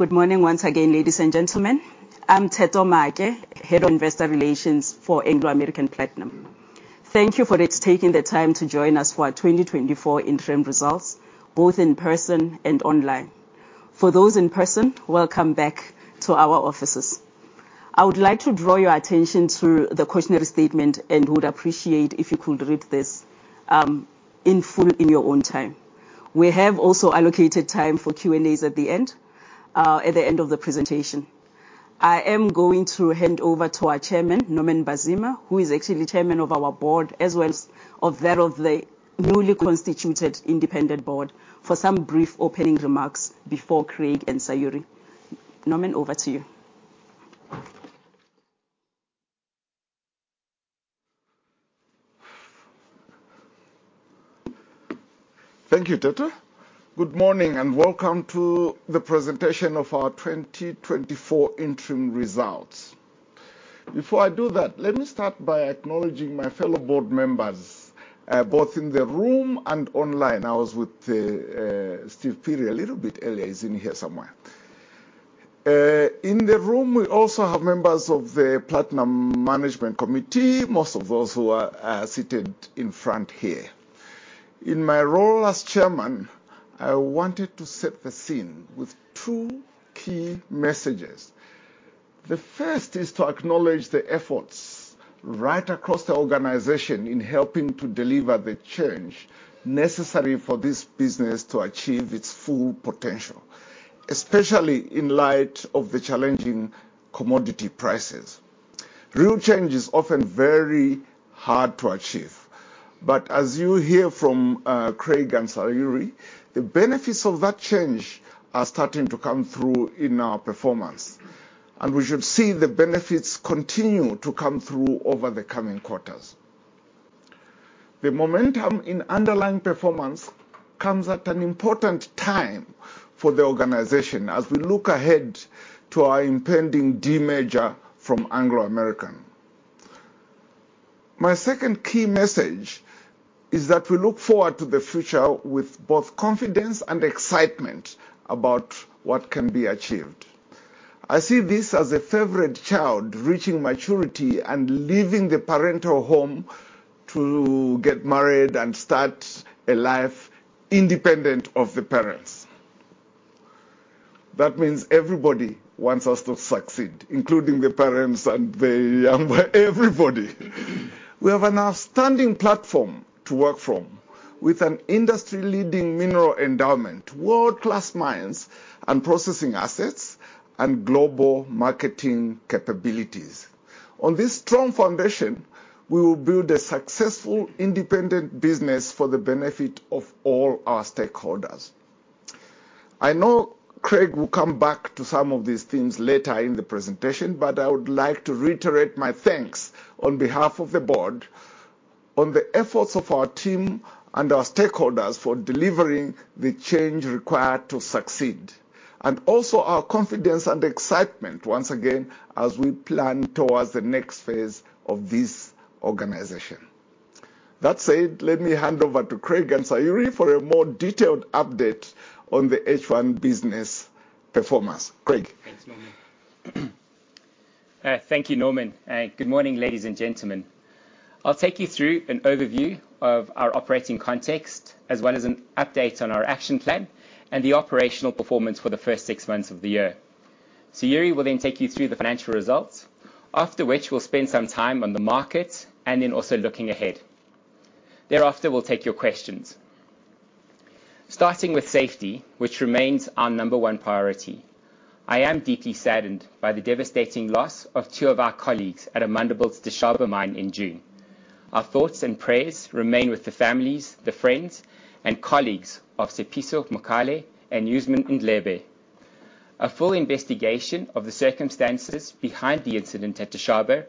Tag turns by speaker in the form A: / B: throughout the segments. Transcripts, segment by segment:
A: Good morning once again, ladies and gentlemen. I'm Theto Maake, Head of Investor Relations for Anglo American Platinum. Thank you for taking the time to join us for our 2024 interim results, both in person and online. For those in person, welcome back to our offices. I would like to draw your attention to the cautionary statement, and would appreciate if you could read this in full in your own time. We have also allocated time for Q&As at the end of the presentation. I am going to hand over to our chairman, Norman Mbazima, who is actually chairman of our board, as well as of that of the newly constituted independent board, for some brief opening remarks before Craig and Sayuri. Norman, over to you.
B: Thank you, Theto. Good morning, and welcome to the presentation of our 2024 interim results. Before I do that, let me start by acknowledging my fellow board members, both in the room and online. I was with Steve Phiri a little bit earlier. He's in here somewhere. In the room, we also have members of the Platinum Management Committee, most of those who are seated in front here. In my role as Chairman, I wanted to set the scene with two key messages. The first is to acknowledge the efforts right across the organization in helping to deliver the change necessary for this business to achieve its full potential, especially in light of the challenging commodity prices. Real change is often very hard to achieve, but as you hear from Craig and Sayuri, the benefits of that change are starting to come through in our performance, and we should see the benefits continue to come through over the coming quarters. The momentum in underlying performance comes at an important time for the organization as we look ahead to our impending demerger from Anglo American. My second key message is that we look forward to the future with both confidence and excitement about what can be achieved. I see this as a favorite child reaching maturity and leaving the parental home to get married and start a life independent of the parents. That means everybody wants us to succeed, including the parents and everybody. We have an outstanding platform to work from, with an industry-leading mineral endowment, world-class mines and processing assets, and global marketing capabilities. On this strong foundation, we will build a successful, independent business for the benefit of all our stakeholders. I know Craig will come back to some of these themes later in the presentation, but I would like to reiterate my thanks on behalf of the board, on the efforts of our team and our stakeholders for delivering the change required to succeed, and also our confidence and excitement once again, as we plan towards the next phase of this organization. That said, let me hand over to Craig and Sayuri for a more detailed update on the H1 business performance. Craig?
C: Thanks, Norman. Thank you, Norman. Good morning, ladies and gentlemen. I'll take you through an overview of our operating context, as well as an update on our action plan and the operational performance for the first six months of the year. Sayuri will then take you through the financial results, after which we'll spend some time on the markets and then also looking ahead. Thereafter, we'll take your questions. Starting with safety, which remains our number one priority, I am deeply saddened by the devastating loss of two of our colleagues at Amandelbult's Dishaba mine in June. Our thoughts and prayers remain with the families, the friends, and colleagues of Tshepiso Mokale and Rausman Ndlebe. A full investigation of the circumstances behind the incident at Dishaba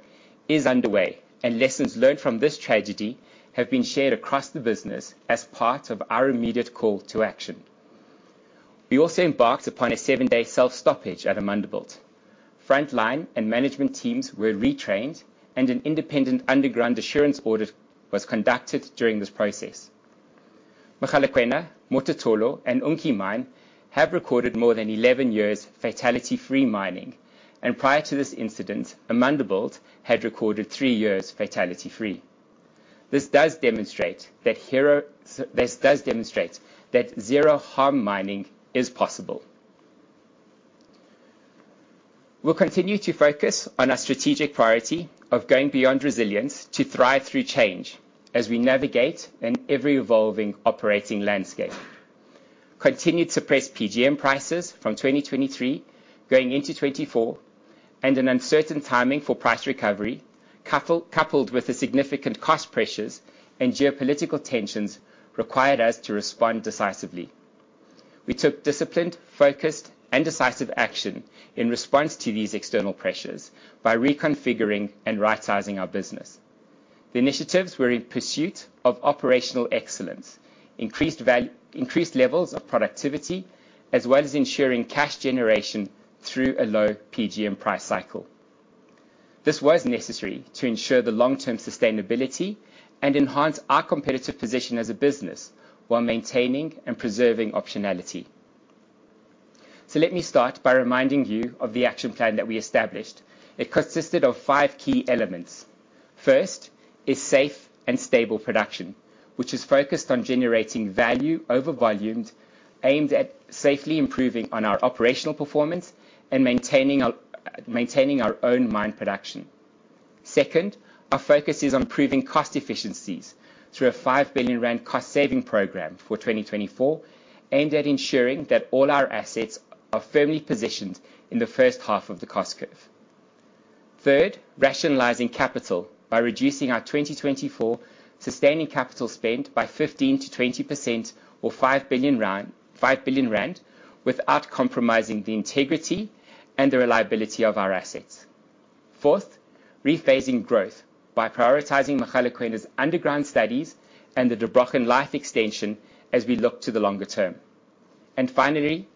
C: is underway, and lessons learned from this tragedy have been shared across the business as part of our immediate call to action. We also embarked upon a 7-day self-stoppage at Amandelbult. Frontline and management teams were retrained, and an independent underground assurance audit was conducted during this process. Mogalakwena, Mototolo, and Unki Mine have recorded more than 11 years fatality-free mining, and prior to this incident, Amandelbult had recorded 3 years fatality-free. This does demonstrate that zero-harm mining is possible. We'll continue to focus on our strategic priority of going beyond resilience to thrive through change as we navigate an ever-evolving operating landscape. Continued suppressed PGM prices from 2023 going into 2024 and an uncertain timing for price recovery, coupled with the significant cost pressures and geopolitical tensions, required us to respond decisively. We took disciplined, focused, and decisive action in response to these external pressures by reconfiguring and right-sizing our business. The initiatives were in pursuit of operational excellence, increased levels of productivity, as well as ensuring cash generation through a low PGM price cycle. This was necessary to ensure the long-term sustainability and enhance our competitive position as a business, while maintaining and preserving optionality. So let me start by reminding you of the action plan that we established. It consisted of five key elements. First, is safe and stable production, which is focused on generating value over volumes, aimed at safely improving on our operational performance and maintaining our own mine production. Second, our focus is on improving cost efficiencies through a 5 billion rand cost saving program for 2024, aimed at ensuring that all our assets are firmly positioned in the first half of the cost curve. Third, rationalizing capital by reducing our 2024 sustaining capital spend by 15%-20% or 5 billion rand, 5 billion rand, without compromising the integrity and the reliability of our assets. Fourth, rephasing growth by prioritizing Mogalakwena's underground studies and the Der Brochen life extension as we look to the longer term. And finally,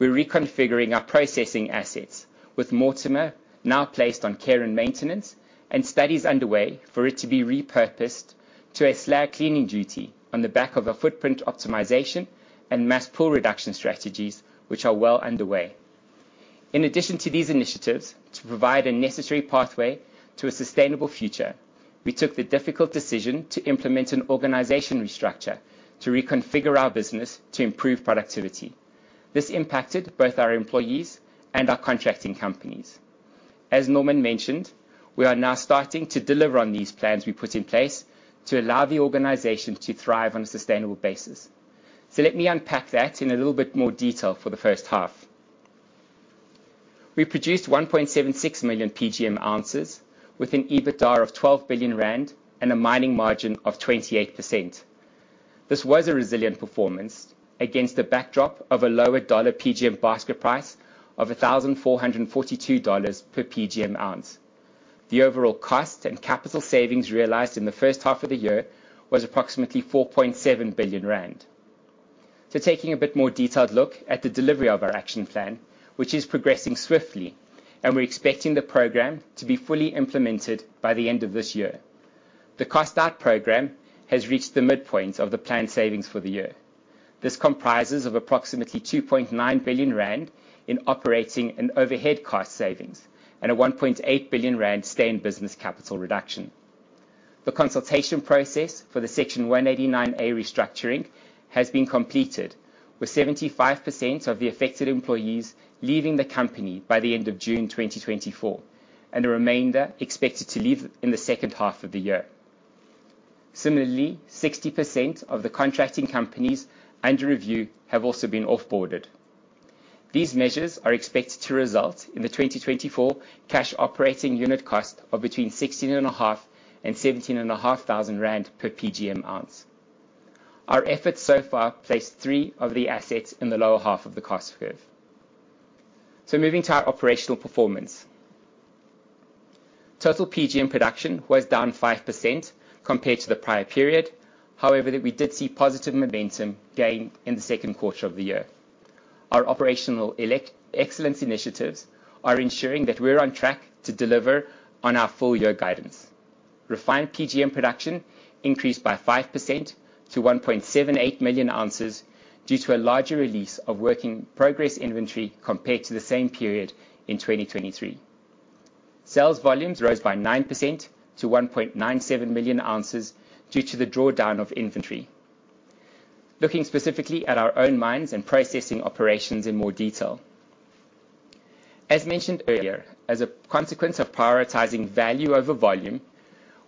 C: we're reconfiguring our processing assets, with Mortimer now placed on care and maintenance, and studies underway for it to be repurposed to a slag cleaning duty on the back of a footprint optimization and mass pool reduction strategies, which are well underway. In addition to these initiatives, to provide a necessary pathway to a sustainable future, we took the difficult decision to implement an organization restructure to reconfigure our business to improve productivity. This impacted both our employees and our contracting companies. As Norman mentioned, we are now starting to deliver on these plans we put in place to allow the organization to thrive on a sustainable basis. So let me unpack that in a little bit more detail for the first half. We produced 1.76 million PGM ounces with an EBITDA of 12 billion rand and a mining margin of 28%. This was a resilient performance against a backdrop of a lower dollar PGM basket price of $1,442 per PGM ounce. The overall cost and capital savings realized in the first half of the year was approximately 4.7 billion rand. So taking a bit more detailed look at the delivery of our action plan, which is progressing swiftly, and we're expecting the program to be fully implemented by the end of this year. The cost out program has reached the midpoint of the planned savings for the year. This comprises of approximately 2.9 billion rand in operating and overhead cost savings, and a 1.8 billion rand stay in business capital reduction. The consultation process for the Section 189A restructuring has been completed, with 75% of the affected employees leaving the company by the end of June 2024, and the remainder expected to leave in the second half of the year. Similarly, 60% of the contracting companies under review have also been off-boarded. These measures are expected to result in the 2024 cash operating unit cost of between 16,500 and 17,500 rand per PGM ounce. Our efforts so far place three of the assets in the lower half of the cost curve. So moving to our operational performance. Total PGM production was down 5% compared to the prior period. However, we did see positive momentum gained in the second quarter of the year. Our operational excellence initiatives are ensuring that we're on track to deliver on our full year guidance. Refined PGM production increased by 5% to 1.78 million ounces, due to a larger release of work-in-progress inventory compared to the same period in 2023. Sales volumes rose by 9% to 1.97 million ounces, due to the drawdown of inventory. Looking specifically at our own mines and processing operations in more detail. As mentioned earlier, as a consequence of prioritizing value over volume,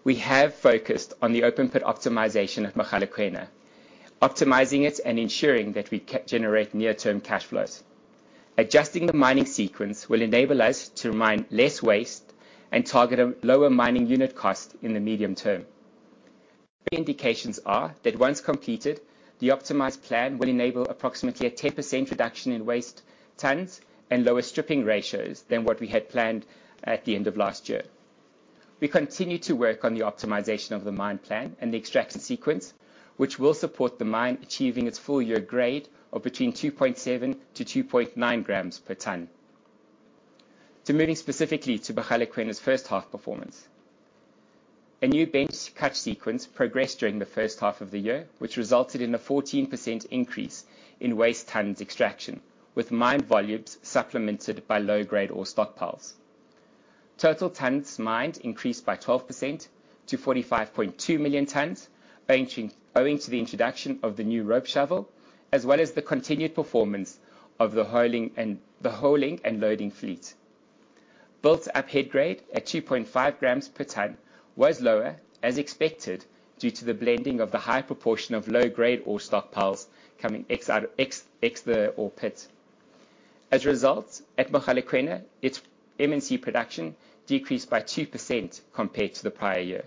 C: we have focused on the open pit optimization of Mogalakwena, optimizing it and ensuring that we can generate near-term cash flows. Adjusting the mining sequence will enable us to mine less waste and target a lower mining unit cost in the medium term. Indications are that once completed, the optimized plan will enable approximately a 10% reduction in waste tons and lower stripping ratios than what we had planned at the end of last year. We continue to work on the optimization of the mine plan and the extraction sequence, which will support the mine achieving its full year grade of between 2.7-2.9 grams per tonne. So moving specifically to Mogalakwena's first half performance. A new bench catch sequence progressed during the first half of the year, which resulted in a 14% increase in waste tons extraction, with mine volumes supplemented by low grade ore stockpiles. Total tonnes mined increased by 12% to 45.2 million tonnes, owing to the introduction of the new rope shovel, as well as the continued performance of the hauling and loading fleet. Built up head grade at 2.5 grams per tonne was lower, as expected, due to the blending of the high proportion of low-grade ore stockpiles coming out of the ore pit. As a result, at Mogalakwena, its M&C production decreased by 2% compared to the prior year.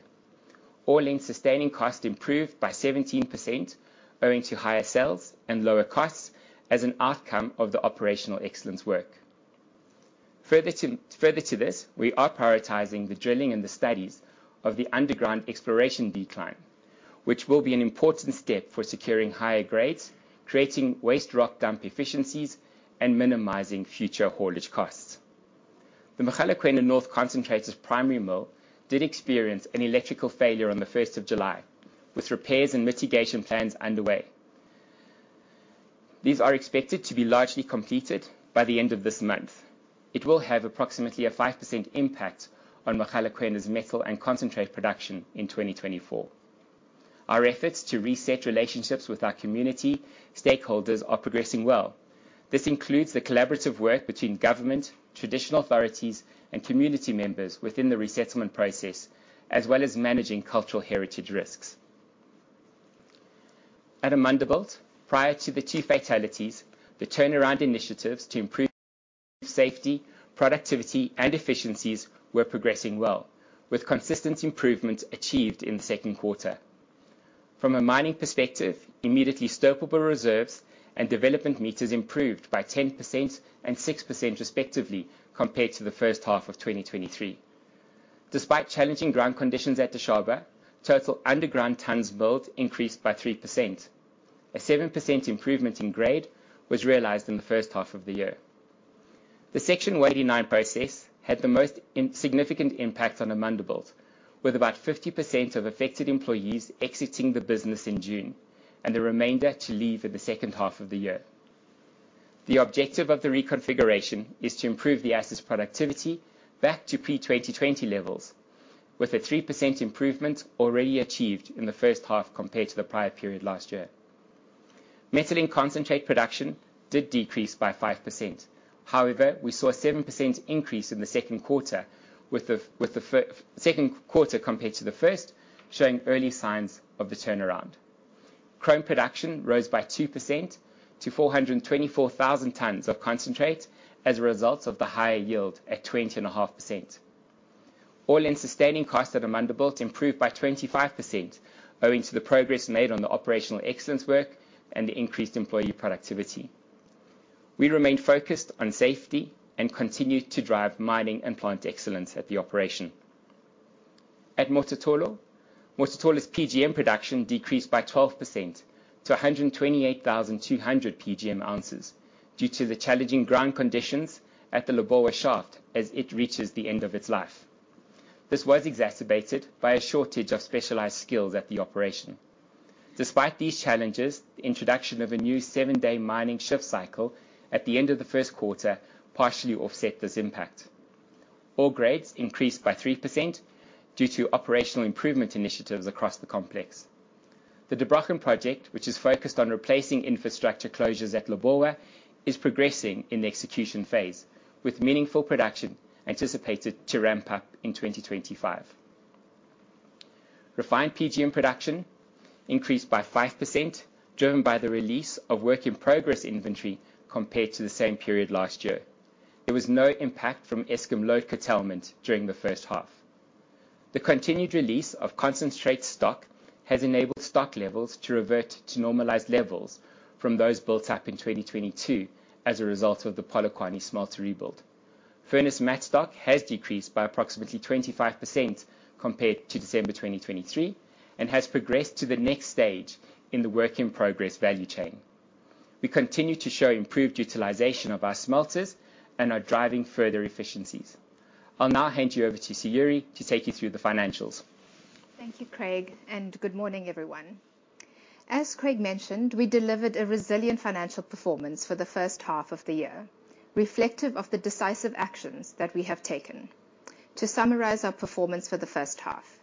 C: All-in sustaining cost improved by 17%, owing to higher sales and lower costs as an outcome of the operational excellence work. Further to this, we are prioritizing the drilling and the studies of the underground exploration decline, which will be an important step for securing higher grades, creating waste rock dump efficiencies, and minimizing future haulage costs. The Mogalakwena North Concentrator's primary mill did experience an electrical failure on the first of July, with repairs and mitigation plans underway. These are expected to be largely completed by the end of this month. It will have approximately a 5% impact on Mogalakwena's metal and concentrate production in 2024. Our efforts to reset relationships with our community stakeholders are progressing well. This includes the collaborative work between government, traditional authorities, and community members within the resettlement process, as well as managing cultural heritage risks. At Amandelbult, prior to the two fatalities, the turnaround initiatives to improve safety, productivity, and efficiencies were progressing well, with consistent improvement achieved in the second quarter. From a mining perspective, immediately stoppable reserves and development meters improved by 10% and 6% respectively, compared to the first half of 2023. Despite challenging ground conditions at the Dishaba, total underground tonnes built increased by 3%. A 7% improvement in grade was realized in the first half of the year. The Section 189A process had the most significant impact on Amandelbult, with about 50% of affected employees exiting the business in June, and the remainder to leave in the second half of the year. The objective of the reconfiguration is to improve the asset's productivity back to pre-2020 levels, with a 3% improvement already achieved in the first half compared to the prior period last year. Metal and concentrate production did decrease by 5%. However, we saw a 7% increase in the second quarter, with the second quarter compared to the first, showing early signs of the turnaround. Chrome production rose by 2% to 424,000 tonnes of concentrate as a result of the higher yield at 20.5%. All-in sustaining costs at Amandelbult improved by 25%, owing to the progress made on the operational excellence work and the increased employee productivity. We remain focused on safety and continue to drive mining and plant excellence at the operation. At Mototolo, Mototolo's PGM production decreased by 12% to 128,200 PGM ounces due to the challenging ground conditions at the Lebowa shaft as it reaches the end of its life. This was exacerbated by a shortage of specialized skills at the operation. Despite these challenges, the introduction of a new seven-day mining shift cycle at the end of the first quarter partially offset this impact. Ore grades increased by 3% due to operational improvement initiatives across the complex. The De Bron Project, which is focused on replacing infrastructure closures at Lobouw, is progressing in the execution phase, with meaningful production anticipated to ramp up in 2025. Refined PGM production increased by 5%, driven by the release of work in progress inventory compared to the same period last year. There was no impact from Eskom load curtailment during the first half. The continued release of concentrate stock has enabled stock levels to revert to normalized levels from those built up in 2022 as a result of the Polokwane smelter rebuild. Furnace matte stock has decreased by approximately 25% compared to December 2023 and has progressed to the next stage in the work in progress value chain. We continue to show improved utilization of our smelters and are driving further efficiencies. I'll now hand you over to Sayurie to take you through the financials.
D: Thank you, Craig, and good morning, everyone. As Craig mentioned, we delivered a resilient financial performance for the first half of the year, reflective of the decisive actions that we have taken. To summarize our performance for the first half: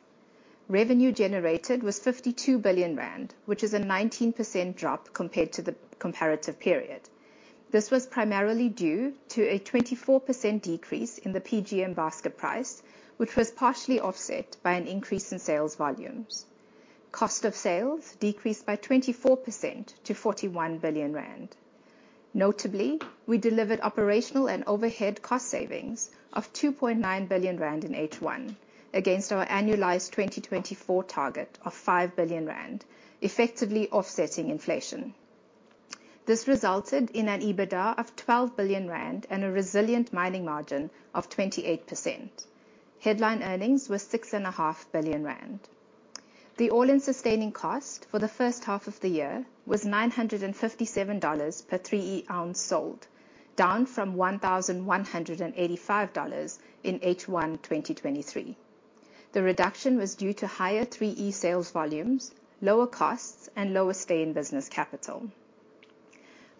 D: revenue generated was 52 billion rand, which is a 19% drop compared to the comparative period. This was primarily due to a 24% decrease in the PGM basket price, which was partially offset by an increase in sales volumes. Cost of sales decreased by 24% to 41 billion rand. Notably, we delivered operational and overhead cost savings of 2.9 billion rand in H1 against our annualized 2024 target of 5 billion rand, effectively offsetting inflation. This resulted in an EBITDA of 12 billion rand and a resilient mining margin of 28%. Headline earnings were 6.5 billion rand. The all-in sustaining cost for the first half of the year was $957 per 3E ounce sold, down from $1,185 in H1 2023. The reduction was due to higher 3E sales volumes, lower costs, and lower stay-in-business capital.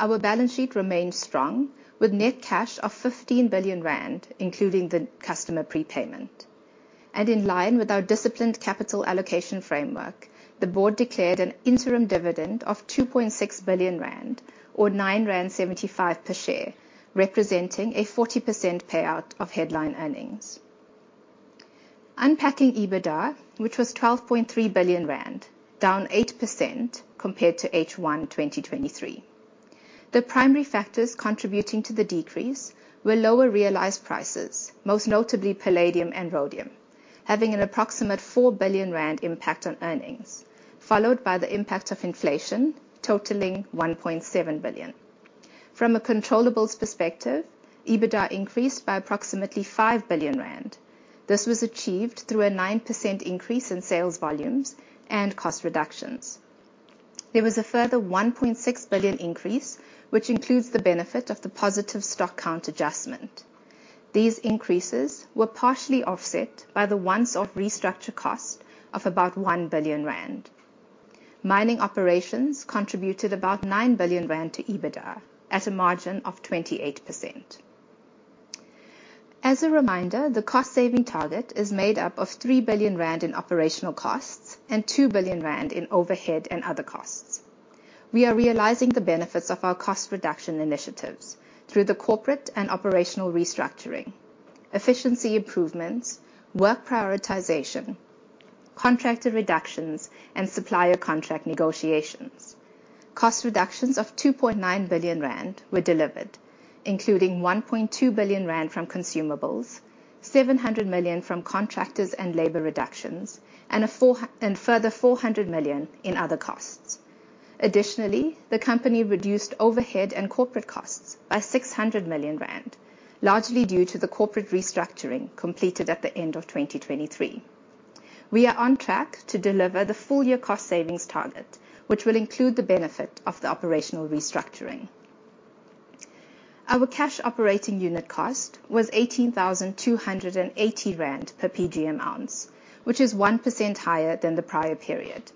D: Our balance sheet remains strong, with net cash of 15 billion rand, including the customer prepayment. In line with our disciplined capital allocation framework, the board declared an interim dividend of 2.6 billion rand, or 9.75 rand per share, representing a 40% payout of headline earnings. Unpacking EBITDA, which was 12.3 billion rand, down 8% compared to H1 2023. The primary factors contributing to the decrease were lower realized prices, most notably palladium and rhodium, having an approximate 4 billion rand impact on earnings, followed by the impact of inflation, totaling 1.7 billion. From a controllables perspective, EBITDA increased by approximately 5 billion rand. This was achieved through a 9% increase in sales volumes and cost reductions. There was a further 1.6 billion increase, which includes the benefit of the positive stock count adjustment. These increases were partially offset by the once-off restructure cost of about 1 billion rand. Mining operations contributed about 9 billion rand to EBITDA, at a margin of 28%. As a reminder, the cost-saving target is made up of 3 billion rand in operational costs and 2 billion rand in overhead and other costs. We are realizing the benefits of our cost reduction initiatives through the corporate and operational restructuring, efficiency improvements, work prioritization, contractor reductions, and supplier contract negotiations. Cost reductions of 2.9 billion rand were delivered, including 1.2 billion rand from consumables, 700 million from contractors and labor reductions, and a 400 and further 400 million in other costs. Additionally, the company reduced overhead and corporate costs by 600 million rand, largely due to the corporate restructuring completed at the end of 2023. We are on track to deliver the full year cost savings target, which will include the benefit of the operational restructuring. Our cash operating unit cost was 18,280 rand per PGM ounce, which is 1% higher than the prior period.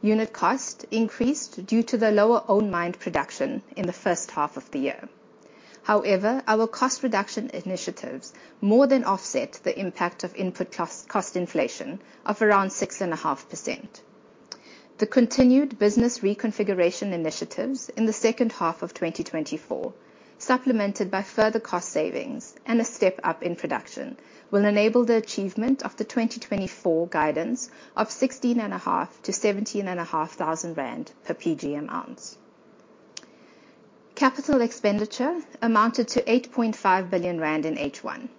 D: Unit cost increased due to the lower own mined production in the first half of the year. However, our cost reduction initiatives more than offset the impact of input cost, cost inflation of around 6.5%. The continued business reconfiguration initiatives in the second half of 2024, supplemented by further cost savings and a step up in production, will enable the achievement of the 2024 guidance of 16.5 thousand-17.5 thousand rand per PGM ounce. Capital expenditure amounted to 8.5 billion rand in H1.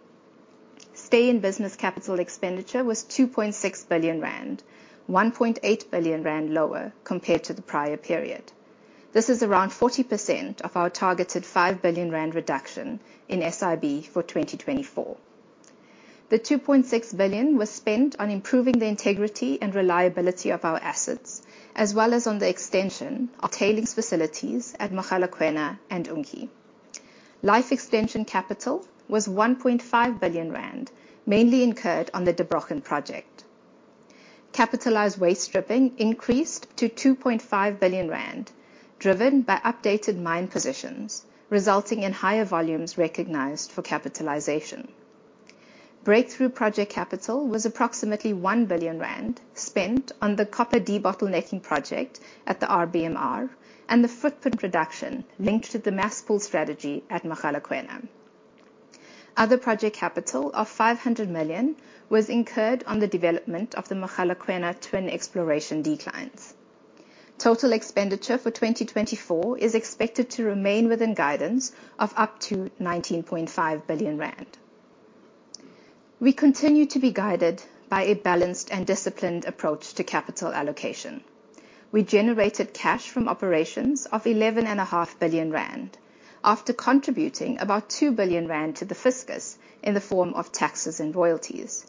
D: Stay-in-business capital expenditure was 2.6 billion rand, 1.8 billion rand lower compared to the prior period. This is around 40% of our targeted 5 billion rand reduction in SIB for 2024. The 2.6 billion was spent on improving the integrity and reliability of our assets, as well as on the extension of tailings facilities at Mogalakwena and Unki. Life extension capital was 1.5 billion rand, mainly incurred on the Der Brochen project. Capitalized waste stripping increased to 2.5 billion rand, driven by updated mine positions, resulting in higher volumes recognized for capitalization. Breakthrough project capital was approximately 1 billion rand, spent on the copper debottlenecking project at the RBMR and the footprint reduction linked to the mass pool strategy at Mogalakwena. Other project capital of 500 million was incurred on the development of the Mogalakwena twin exploration declines. Total expenditure for 2024 is expected to remain within guidance of up to 19.5 billion rand. We continue to be guided by a balanced and disciplined approach to capital allocation. We generated cash from operations of 11.5 billion rand, after contributing about 2 billion rand to the fiscus in the form of taxes and royalties.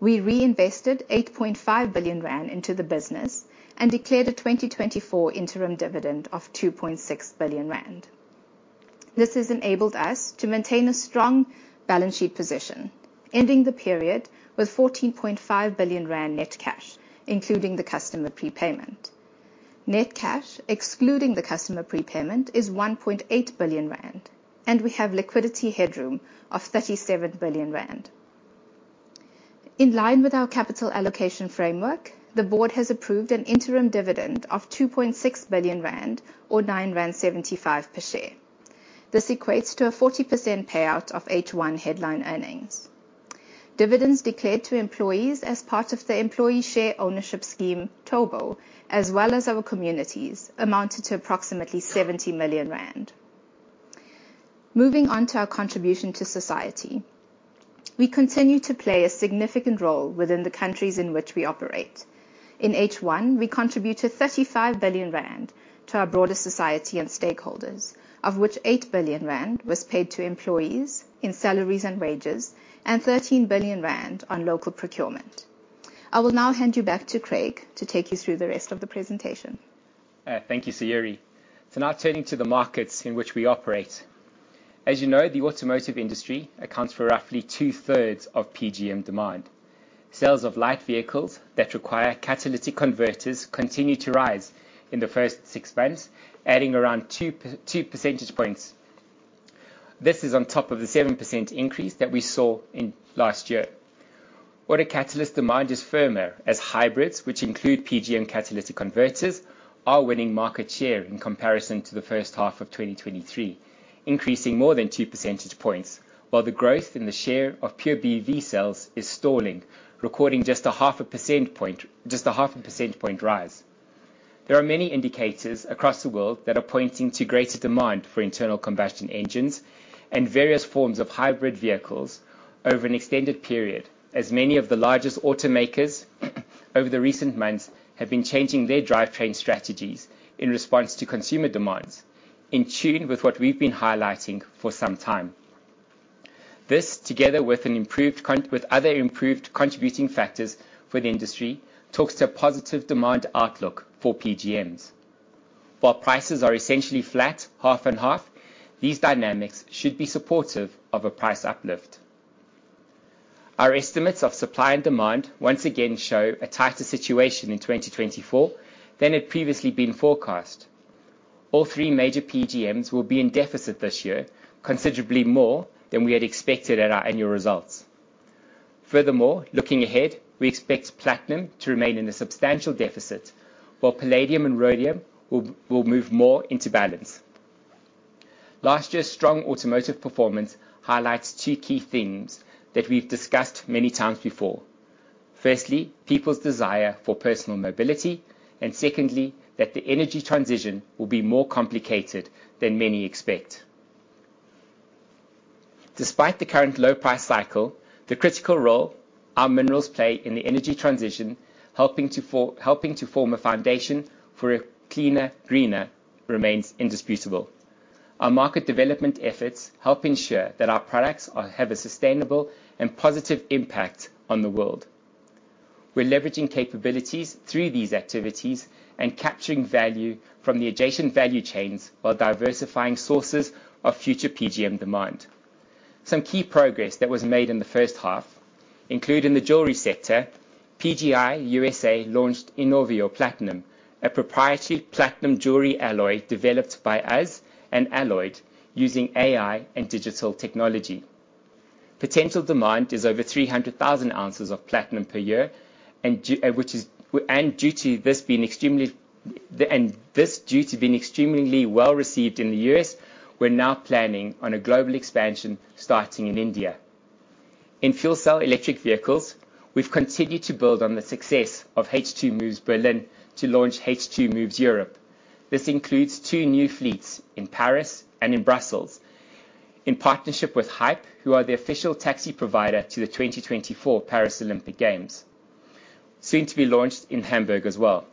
D: We reinvested 8.5 billion rand into the business and declared a 2024 interim dividend of 2.6 billion rand. This has enabled us to maintain a strong balance sheet position, ending the period with 14.5 billion rand net cash, including the customer prepayment. Net cash, excluding the customer prepayment, is 1.8 billion rand, and we have liquidity headroom of 37 billion rand. In line with our capital allocation framework, the board has approved an interim dividend of 2.6 billion rand, or 9.75 rand per share. This equates to a 40% payout of H1 headline earnings. Dividends declared to employees as part of the employee share ownership scheme, Thobo, as well as our communities, amounted to approximately 70 million rand. Moving on to our contribution to society. We continue to play a significant role within the countries in which we operate. In H1, we contributed 35 billion rand to our broader society and stakeholders, of which 8 billion rand was paid to employees in salaries and wages and 13 billion rand on local procurement. I will now hand you back to Craig to take you through the rest of the presentation.
C: Thank you, Sayuri. So now, turning to the markets in which we operate. As you know, the automotive industry accounts for roughly two-thirds of PGM demand. Sales of light vehicles that require catalytic converters continued to rise in the first six months, adding around two percentage points. This is on top of the 7% increase that we saw in last year. Auto catalyst demand is firmer, as hybrids, which include PGM catalytic converters, are winning market share in comparison to the first half of 2023, increasing more than two percentage points, while the growth in the share of pure BEV sales is stalling, recording just a half a percent point rise. There are many indicators across the world that are pointing to greater demand for internal combustion engines and various forms of hybrid vehicles over an extended period, as many of the largest automakers over the recent months have been changing their drivetrain strategies in response to consumer demands, in tune with what we've been highlighting for some time. This, together with an improved context with other improved contributing factors for the industry, talks to a positive demand outlook for PGMs. While prices are essentially flat, half and half, these dynamics should be supportive of a price uplift. Our estimates of supply and demand once again show a tighter situation in 2024 than had previously been forecast. All three major PGMs will be in deficit this year, considerably more than we had expected at our annual results. Furthermore, looking ahead, we expect platinum to remain in a substantial deficit, while palladium and rhodium will, will move more into balance. Last year's strong automotive performance highlights two key themes that we've discussed many times before. Firstly, people's desire for personal mobility, and secondly, that the energy transition will be more complicated than many expect. Despite the current low price cycle, the critical role our minerals play in the energy transition, helping to form a foundation for a cleaner, greener, remains indisputable. Our market development efforts help ensure that our products are, have a sustainable and positive impact on the world. We're leveraging capabilities through these activities and capturing value from the adjacent value chains while diversifying sources of future PGM demand. Some key progress that was made in the first half, including the jewelry sector. PGI USA launched Inoveo Platinum, a proprietary platinum jewelry alloy developed by us and alloyed using AI and digital technology. Potential demand is over 300,000 ounces of platinum per year, and due to this being extremely well-received in the US, we're now planning on a global expansion starting in India. In fuel cell electric vehicles, we've continued to build on the success of H2 Moves Berlin to launch H2 Moves Europe. This includes two new fleets in Paris and in Brussels, in partnership with Hype, who are the official taxi provider to the 2024 Paris Olympic Games. Soon to be launched in Hamburg as well.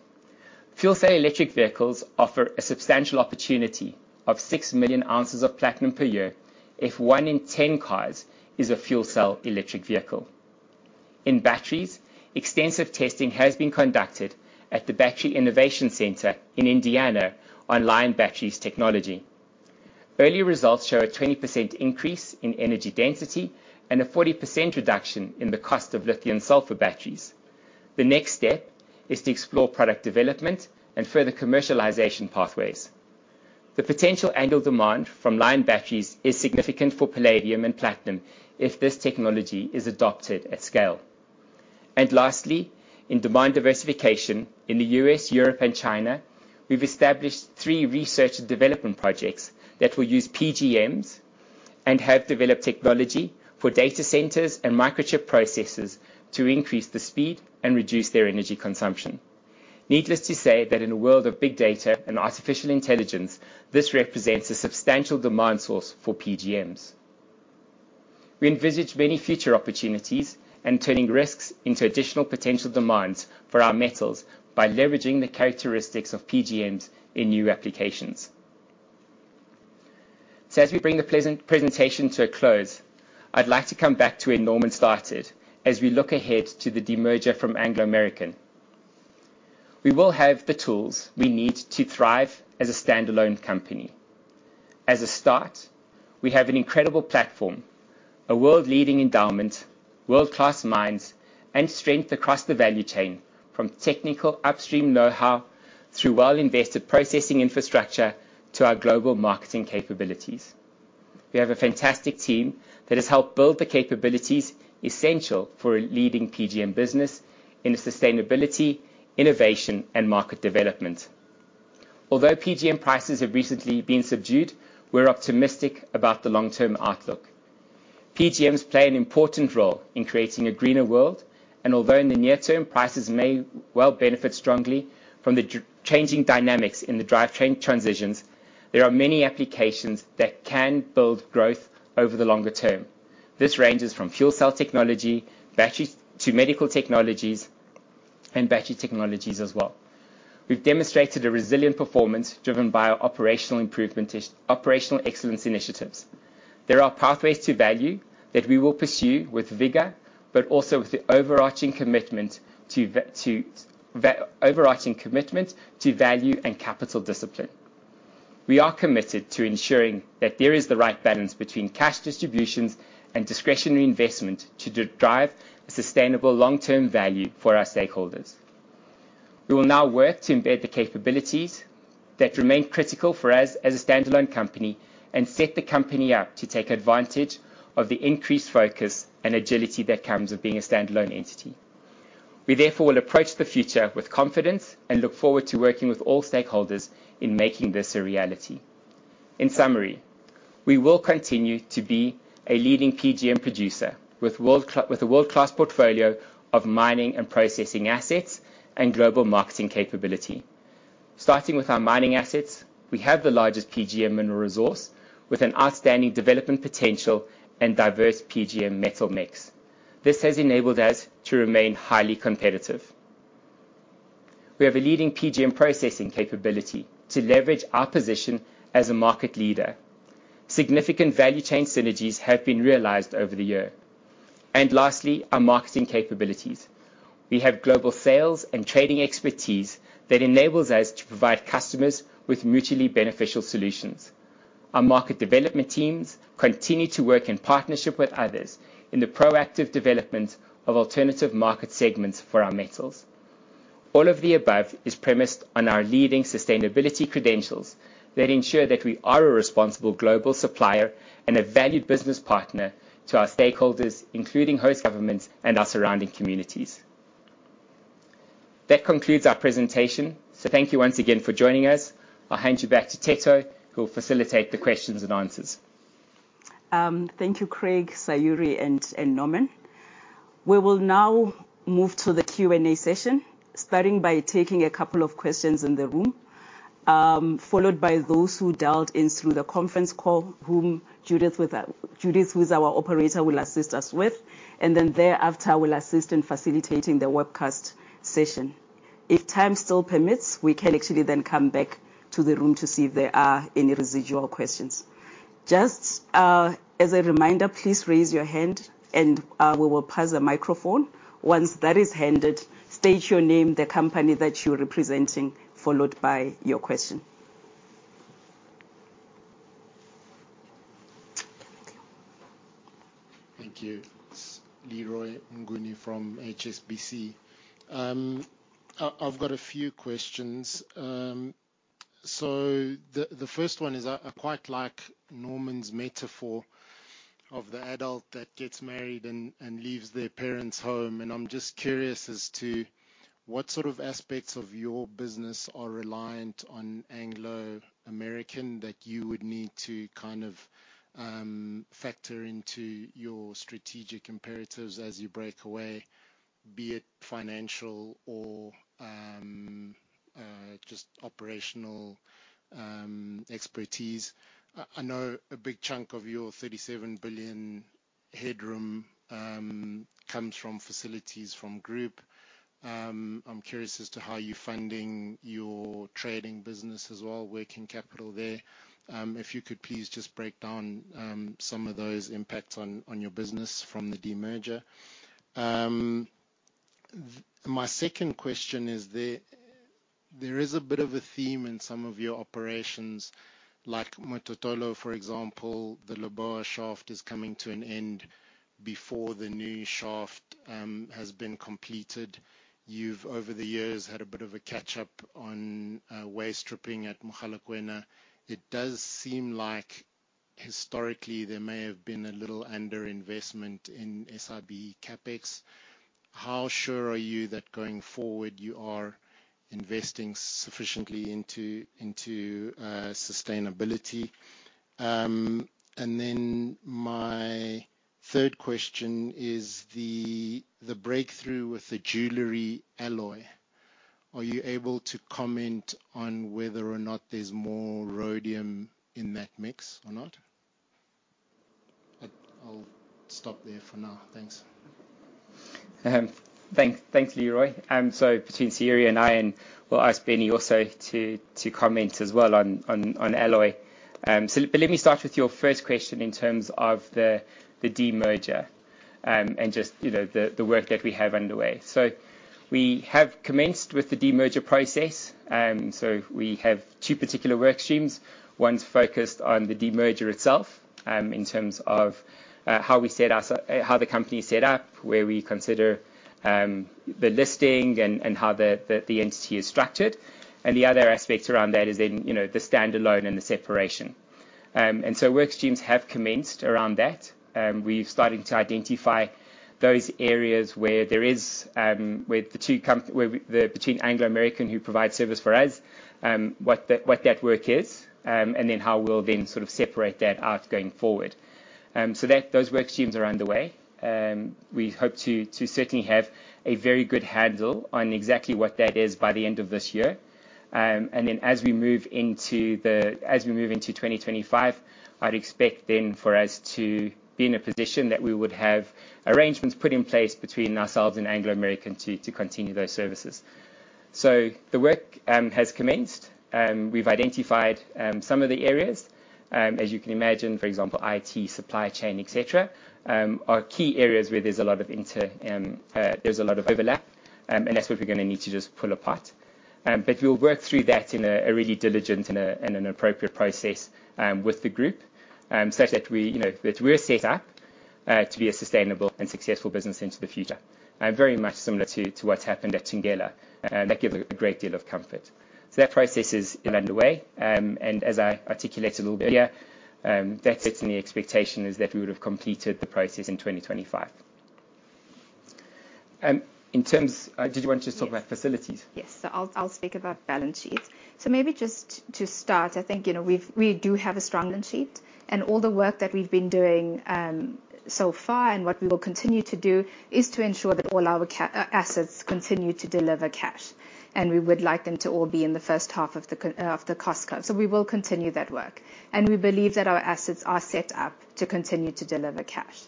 C: Fuel cell electric vehicles offer a substantial opportunity of 6 million ounces of platinum per year if 1 in 10 cars is a fuel cell electric vehicle. In batteries, extensive testing has been conducted at the Battery Innovation Center in Indiana on Li-ion batteries technology. Early results show a 20% increase in energy density and a 40% reduction in the cost of lithium-sulfur batteries. The next step is to explore product development and further commercialization pathways. The potential annual demand from Li-ion batteries is significant for palladium and platinum if this technology is adopted at scale. Lastly, in demand diversification in the U.S., Europe, and China, we've established 3 research and development projects that will use PGMs and have developed technology for data centers and microchip processes to increase the speed and reduce their energy consumption. Needless to say that in a world of big data and artificial intelligence, this represents a substantial demand source for PGMs. We envisage many future opportunities and turning risks into additional potential demands for our metals by leveraging the characteristics of PGMs in new applications. So as we bring the presentation to a close, I'd like to come back to where Norman started, as we look ahead to the demerger from Anglo American. We will have the tools we need to thrive as a standalone company. As a start, we have an incredible platform, a world-leading endowment, world-class minds, and strength across the value chain, from technical upstream know-how, through well-invested processing infrastructure, to our global marketing capabilities. We have a fantastic team that has helped build the capabilities essential for a leading PGM business in sustainability, innovation, and market development. Although PGM prices have recently been subdued, we're optimistic about the long-term outlook. PGMs play an important role in creating a greener world, and although in the near term, prices may well benefit strongly from the changing dynamics in the drivetrain transitions, there are many applications that can build growth over the longer term. This ranges from fuel cell technology, batteries, to medical technologies and battery technologies as well. We've demonstrated a resilient performance driven by our operational excellence initiatives. There are pathways to value that we will pursue with vigor, but also with the overarching commitment to value and capital discipline. We are committed to ensuring that there is the right balance between cash distributions and discretionary investment to drive sustainable long-term value for our stakeholders. We will now work to embed the capabilities that remain critical for us as a standalone company and set the company up to take advantage of the increased focus and agility that comes with being a standalone entity. We therefore will approach the future with confidence and look forward to working with all stakeholders in making this a reality. In summary, we will continue to be a leading PGM producer, with a world-class portfolio of mining and processing assets and global marketing capability. Starting with our mining assets, we have the largest PGM mineral resource, with an outstanding development potential and diverse PGM metal mix. This has enabled us to remain highly competitive. We have a leading PGM processing capability to leverage our position as a market leader. Significant value chain synergies have been realized over the year. And lastly, our marketing capabilities. We have global sales and trading expertise that enables us to provide customers with mutually beneficial solutions. Our market development teams continue to work in partnership with others in the proactive development of alternative market segments for our metals. All of the above is premised on our leading sustainability credentials, that ensure that we are a responsible global supplier and a valued business partner to our stakeholders, including host governments and our surrounding communities. That concludes our presentation, so thank you once again for joining us. I'll hand you back to Theto, who will facilitate the questions and answers.
A: Thank you, Craig, Sayuri, and Norman. We will now move to the Q&A session, starting by taking a couple of questions in the room, followed by those who dialed in through the conference call, whom Judith, who is our operator, will assist us with. And then thereafter, we'll assist in facilitating the webcast session. If time still permits, we can actually then come back to the room to see if there are any residual questions. Just as a reminder, please raise your hand, and we will pass the microphone. Once that is handed, state your name, the company that you're representing, followed by your question.
E: Thank you. Leroy Mnguni from HSBC. I've got a few questions. The first one is, I quite like Norman's metaphor of the adult that gets married and leaves their parents' home, and I'm just curious as to what sort of aspects of your business are reliant on Anglo American that you would need to kind of factor into your strategic imperatives as you break away, be it financial or just operational expertise. I know a big chunk of your 37 billion headroom comes from facilities from group. I'm curious as to how you're funding your trading business as well, working capital there. If you could please just break down some of those impacts on your business from the demerger. My second question is, there is a bit of a theme in some of your operations, like Mototolo, for example, the Leboa shaft is coming to an end before the new shaft has been completed. You've, over the years, had a bit of a catch-up on waste stripping at Mogalakwena. It does seem like historically, there may have been a little underinvestment in SIB CapEx. How sure are you that going forward, you are investing sufficiently into sustainability? And then my third question is the breakthrough with the jewelry alloy. Are you able to comment on whether or not there's more rhodium in that mix or not? I'll stop there for now. Thanks.
C: Thanks, Leroy. So between Sayurie and I, and we'll ask Benny also to comment as well on alloy. So but let me start with your first question in terms of the demerger, and just, you know, the work that we have underway. So we have commenced with the demerger process, so we have two particular work streams. One's focused on the demerger itself, in terms of how the company is set up, where we consider the listing and how the entity is structured. And the other aspect around that is then, you know, the standalone and the separation. And so work streams have commenced around that. We've started to identify those areas where there is, where the two companies, the work between Anglo American, who provides service for us, what that work is, and then how we'll then sort of separate that out going forward. So those work streams are underway. We hope to certainly have a very good handle on exactly what that is by the end of this year. And then as we move into 2025, I'd expect then for us to be in a position that we would have arrangements put in place between ourselves and Anglo American to continue those services. So the work has commenced. We've identified some of the areas. As you can imagine, for example, IT, supply chain, et cetera, are key areas where there's a lot of overlap, and that's what we're gonna need to just pull apart. But we'll work through that in a really diligent and an appropriate process, with the group, such that we, you know, that we're set up, to be a sustainable and successful business into the future. Very much similar to what's happened at Tungela, and that gives a great deal of comfort. So that process is underway. And as I articulated a little bit earlier, that's certainly the expectation, is that we would have completed the process in 2025. In terms, did you want to just talk about facilities?
D: Yes. So I'll, I'll speak about balance sheets. So maybe just to start, I think, you know, we've, we do have a strong balance sheet, and all the work that we've been doing, so far, and what we will continue to do, is to ensure that all our assets continue to deliver cash. And we would like them to all be in the first half of the cost curve. So we will continue that work, and we believe that our assets are set up to continue to deliver cash.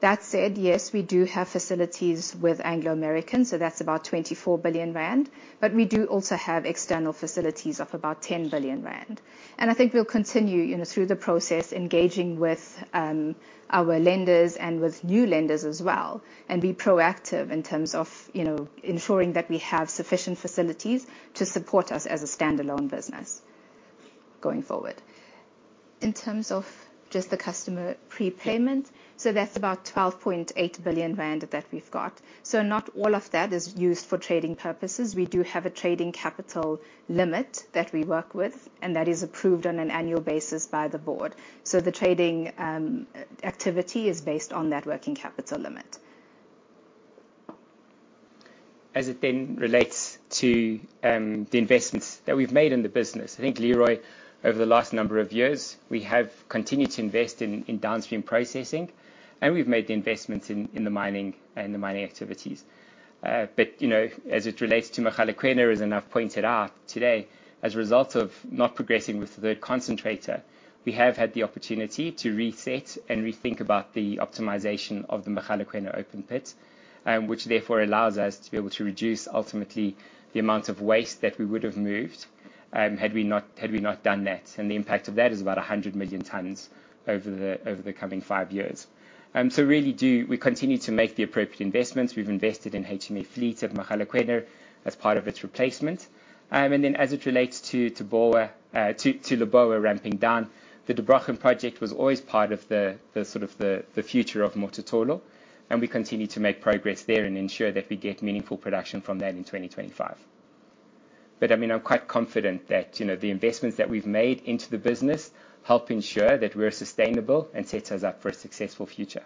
D: That said, yes, we do have facilities with Anglo American, so that's about 24 billion rand, but we do also have external facilities of about 10 billion rand. I think we'll continue, you know, through the process, engaging with our lenders and with new lenders as well, and be proactive in terms of, you know, ensuring that we have sufficient facilities to support us as a standalone business going forward. In terms of just the customer prepayment, so that's about 12.8 billion rand that we've got. So not all of that is used for trading purposes. We do have a trading capital limit that we work with, and that is approved on an annual basis by the board. So the trading activity is based on that working capital limit.
C: As it then relates to the investments that we've made in the business. I think, Leroy, over the last number of years, we have continued to invest in downstream processing, and we've made the investments in the mining and the mining activities. But, you know, as it relates to Mogalakwena, as I've pointed out today, as a result of not progressing with the concentrator, we have had the opportunity to reset and rethink about the optimization of the Mogalakwena open pit, which therefore allows us to be able to reduce ultimately the amount of waste that we would have moved, had we not done that. And the impact of that is about 100 million tonnes over the coming five years. So we really do... We continue to make the appropriate investments. We've invested in HME fleet at Mogalakwena as part of its replacement. And then as it relates to, to Leboa ramping down, the Dubrakan project was always part of the, the sort of the, the future of Mototolo, and we continue to make progress there and ensure that we get meaningful production from that in 2025. I mean, I'm quite confident that, you know, the investments that we've made into the business help ensure that we're sustainable and sets us up for a successful future.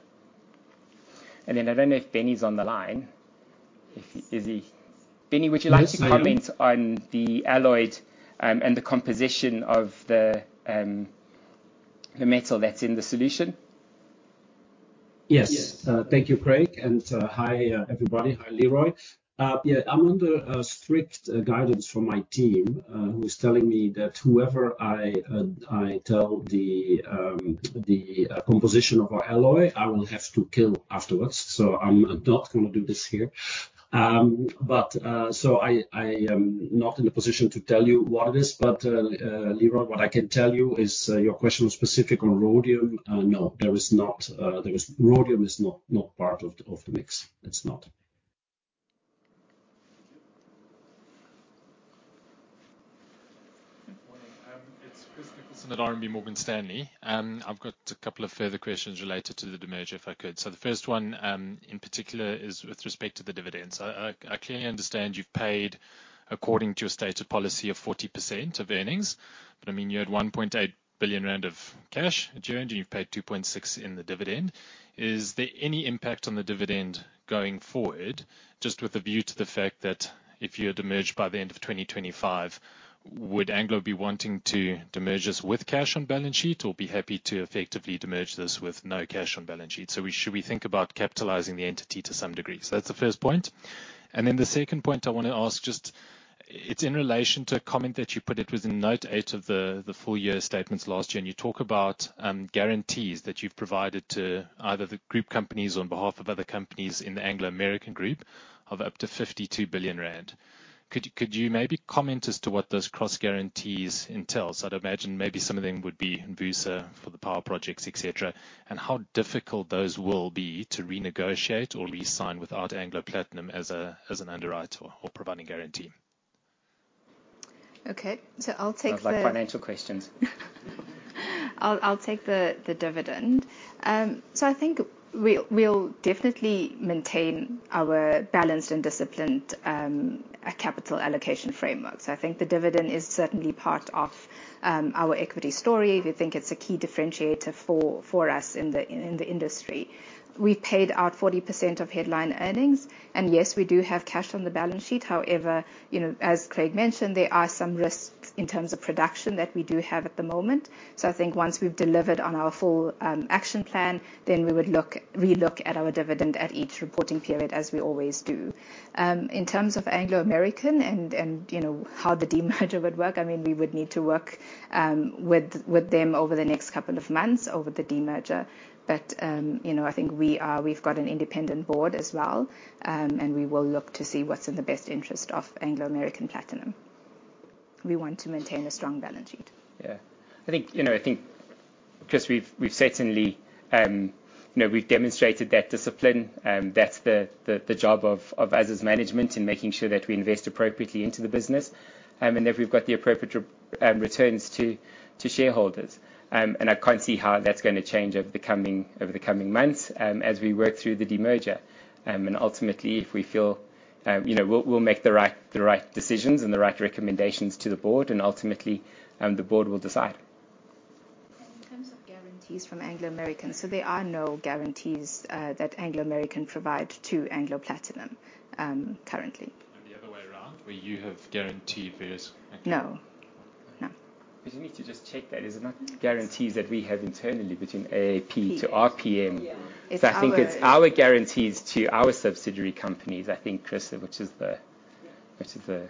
C: I don't know if Benny's on the line. If... Is he? Benny, would you like-
F: Yes, I am.
C: To comment on the alloy, and the composition of the metal that's in the solution?
F: Yes. Thank you, Craig, and hi, everybody. Hi, Leroy. Yeah, I'm under strict guidance from my team, who's telling me that whoever I tell the composition of our alloy, I will have to kill afterwards, so I'm not gonna do this here. But, so I am not in a position to tell you what it is, but, Leroy, what I can tell you is, your question was specific on rhodium. No, there is not, there is... Rhodium is not part of the mix. It's not.
G: Good morning. It's Chris Nicholson at RMB Morgan Stanley. I've got a couple of further questions related to the demerger, if I could. So the first one, in particular, is with respect to the dividends. I clearly understand you've paid according to your stated policy of 40% of earnings, but, I mean, you had 1.8 billion rand of cash at your end, you've paid 2.6 billion in the dividend. Is there any impact on the dividend going forward? Just with a view to the fact that if you had demerged by the end of 2025, would Anglo be wanting to demerge this with cash on balance sheet or be happy to effectively demerge this with no cash on balance sheet? So, should we think about capitalizing the entity to some degree? So that's the first point. Then the second point I wanna ask, just, it's in relation to a comment that you put, it was in note 8 of the full year statements last year, and you talk about guarantees that you've provided to either the group companies on behalf of other companies in the Anglo American Group of up to 52 billion rand. Could you maybe comment as to what those cross-guarantees entail? So I'd imagine maybe some of them would be Envusa for the power projects, et cetera, and how difficult those will be to renegotiate or re-sign without Anglo American Platinum as an underwriter or providing guarantee.
D: Okay, so I'll take the-
C: I like financial questions.
D: I'll take the dividend. So I think we'll definitely maintain our balanced and disciplined capital allocation framework. So I think the dividend is certainly part of our equity story. We think it's a key differentiator for us in the industry. We've paid out 40% of headline earnings, and yes, we do have cash on the balance sheet. However, you know, as Craig mentioned, there are some risks in terms of production that we do have at the moment. So I think once we've delivered on our full action plan, then we would look to re-look at our dividend at each reporting period, as we always do. In terms of Anglo American and you know how the demerger would work, I mean, we would need to work with them over the next couple of months over the demerger. But you know I think we've got an independent board as well and we will look to see what's in the best interest of Anglo American Platinum. We want to maintain a strong balance sheet.
C: Yeah. I think, you know, I think, Chris, we've certainly, you know, we've demonstrated that discipline, and that's the job of us as management in making sure that we invest appropriately into the business, and that we've got the appropriate returns to shareholders. I can't see how that's gonna change over the coming months, as we work through the demerger. Ultimately, if we feel, you know, we'll make the right decisions and the right recommendations to the board, and ultimately, the board will decide.
D: guarantees from Anglo American, so there are no guarantees that Anglo American provide to Anglo Platinum currently.
C: And the other way around, where you have guaranteed various-
D: No. No.
C: But you need to just check that. Is it not guarantees that we have internally between AAP to RPM?
D: Yeah.
C: So I think it's our guarantees to our subsidiary companies, I think, Chris, which is the-
D: Yeah.
C: is the...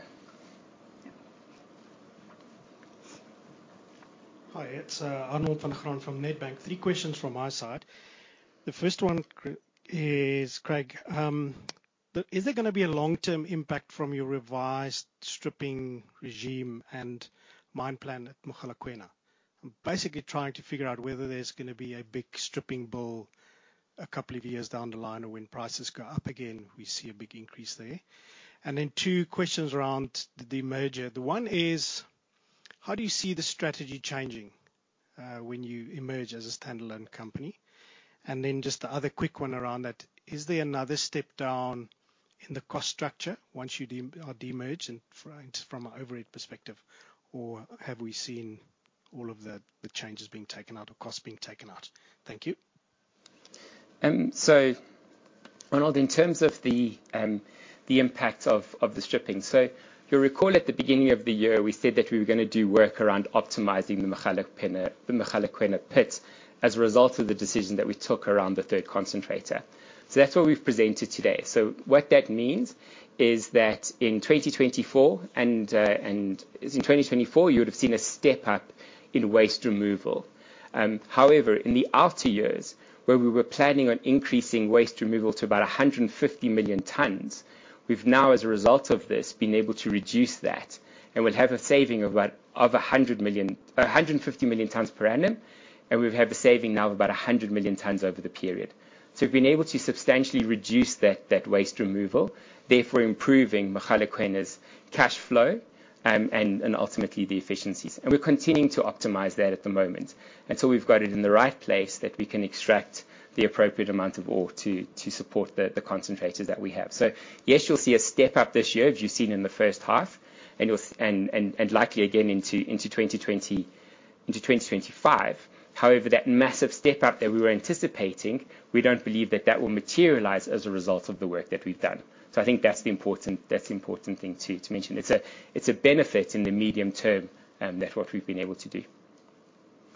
H: Hi, it's Arnold van Graan from Nedbank. Three questions from my side. The first one is, Craig, is there gonna be a long-term impact from your revised stripping regime and mine plan at Mogalakwena? I'm basically trying to figure out whether there's gonna be a big stripping bill a couple of years down the line, or when prices go up again, we see a big increase there. And then two questions around the demerger. The one is: how do you see the strategy changing when you emerge as a standalone company? And then just the other quick one around that: is there another step down in the cost structure once you demerge, and from an overhead perspective, or have we seen all of the changes being taken out or costs being taken out? Thank you.
C: So Arnold, in terms of the impact of the stripping, so you'll recall at the beginning of the year, we said that we were gonna do work around optimizing the Mogalakwena, the Mogalakwena pits, as a result of the decision that we took around the third concentrator. So that's what we've presented today. So what that means is that in 2024, you would have seen a step up in waste removal. However, in the outer years, where we were planning on increasing waste removal to about 150 million tons, we've now, as a result of this, been able to reduce that, and we'll have a saving of about 100 million-150 million tons per annum, and we'll have a saving now of about 100 million tons over the period. So we've been able to substantially reduce that waste removal, therefore, improving Mogalakwena's cash flow, and ultimately the efficiencies. And we're continuing to optimize that at the moment. Until we've got it in the right place, that we can extract the appropriate amount of ore to support the concentrators that we have. So yes, you'll see a step-up this year, as you've seen in the first half, and you'll and likely again into 2024 into 2025. However, that massive step-up that we were anticipating, we don't believe that will materialize as a result of the work that we've done. So I think that's the important thing to mention. It's a benefit in the medium term, that what we've been able to do.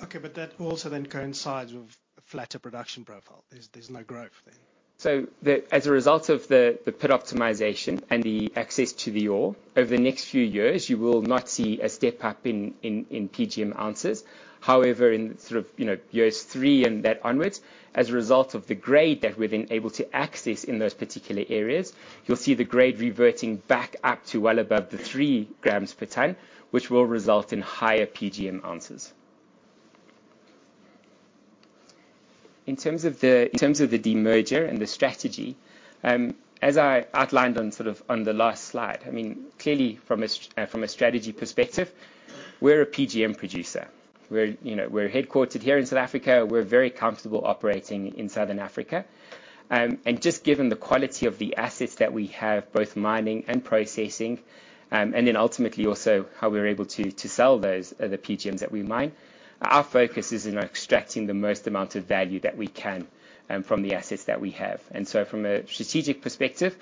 H: Okay, but that also then coincides with a flatter production profile. There's no growth there.
C: As a result of the pit optimization and the access to the ore, over the next few years, you will not see a step-up in PGM ounces. However, in sort of, you know, years three and that onwards, as a result of the grade that we're then able to access in those particular areas, you'll see the grade reverting back up to well above the three grams per ton, which will result in higher PGM ounces. In terms of the demerger and the strategy, as I outlined on the last slide, I mean, clearly from a strategy perspective, we're a PGM producer. We're, you know, we're headquartered here in South Africa. We're very comfortable operating in Southern Africa. And just given the quality of the assets that we have, both mining and processing, and then ultimately also how we're able to to sell those, the PGMs that we mine, our focus is in extracting the most amount of value that we can from the assets that we have. And so from a strategic perspective,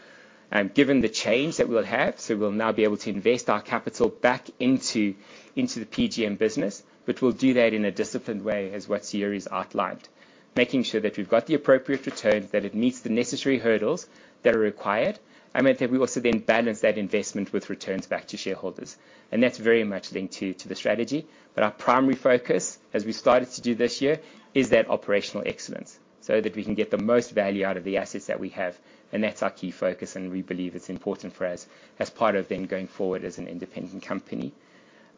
C: given the change that we'll have, so we'll now be able to invest our capital back into the PGM business, but we'll do that in a disciplined way, as what Sayuri has outlined. Making sure that we've got the appropriate returns, that it meets the necessary hurdles that are required, and that we also then balance that investment with returns back to shareholders. And that's very much linked to the strategy, but our primary focus, as we started to do this year, is that operational excellence, so that we can get the most value out of the assets that we have, and that's our key focus, and we believe it's important for us as part of then going forward as an independent company.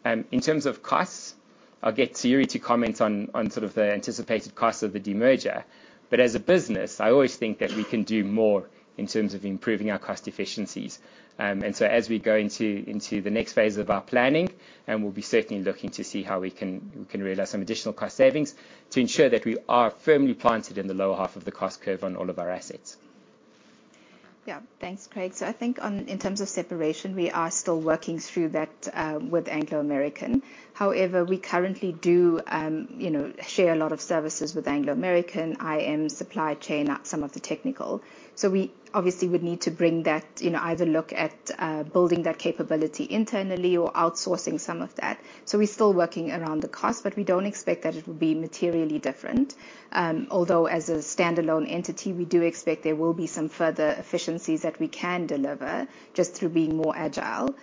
C: In terms of costs, I'll get Sayuri to comment on sort of the anticipated costs of the demerger. But as a business, I always think that we can do more in terms of improving our cost efficiencies. So as we go into the next phase of our planning, and we'll certainly be looking to see how we can realize some additional cost savings to ensure that we are firmly planted in the lower half of the cost curve on all of our assets.
D: Yeah. Thanks, Craig. So I think, in terms of separation, we are still working through that with Anglo American. However, we currently do, you know, share a lot of services with Anglo American, in supply chain, some of the technical. So we obviously would need to bring that, you know, either look at building that capability internally or outsourcing some of that. So we're still working around the cost, but we don't expect that it will be materially different. Although as a standalone entity, we do expect there will be some further efficiencies that we can deliver, just through being more agile.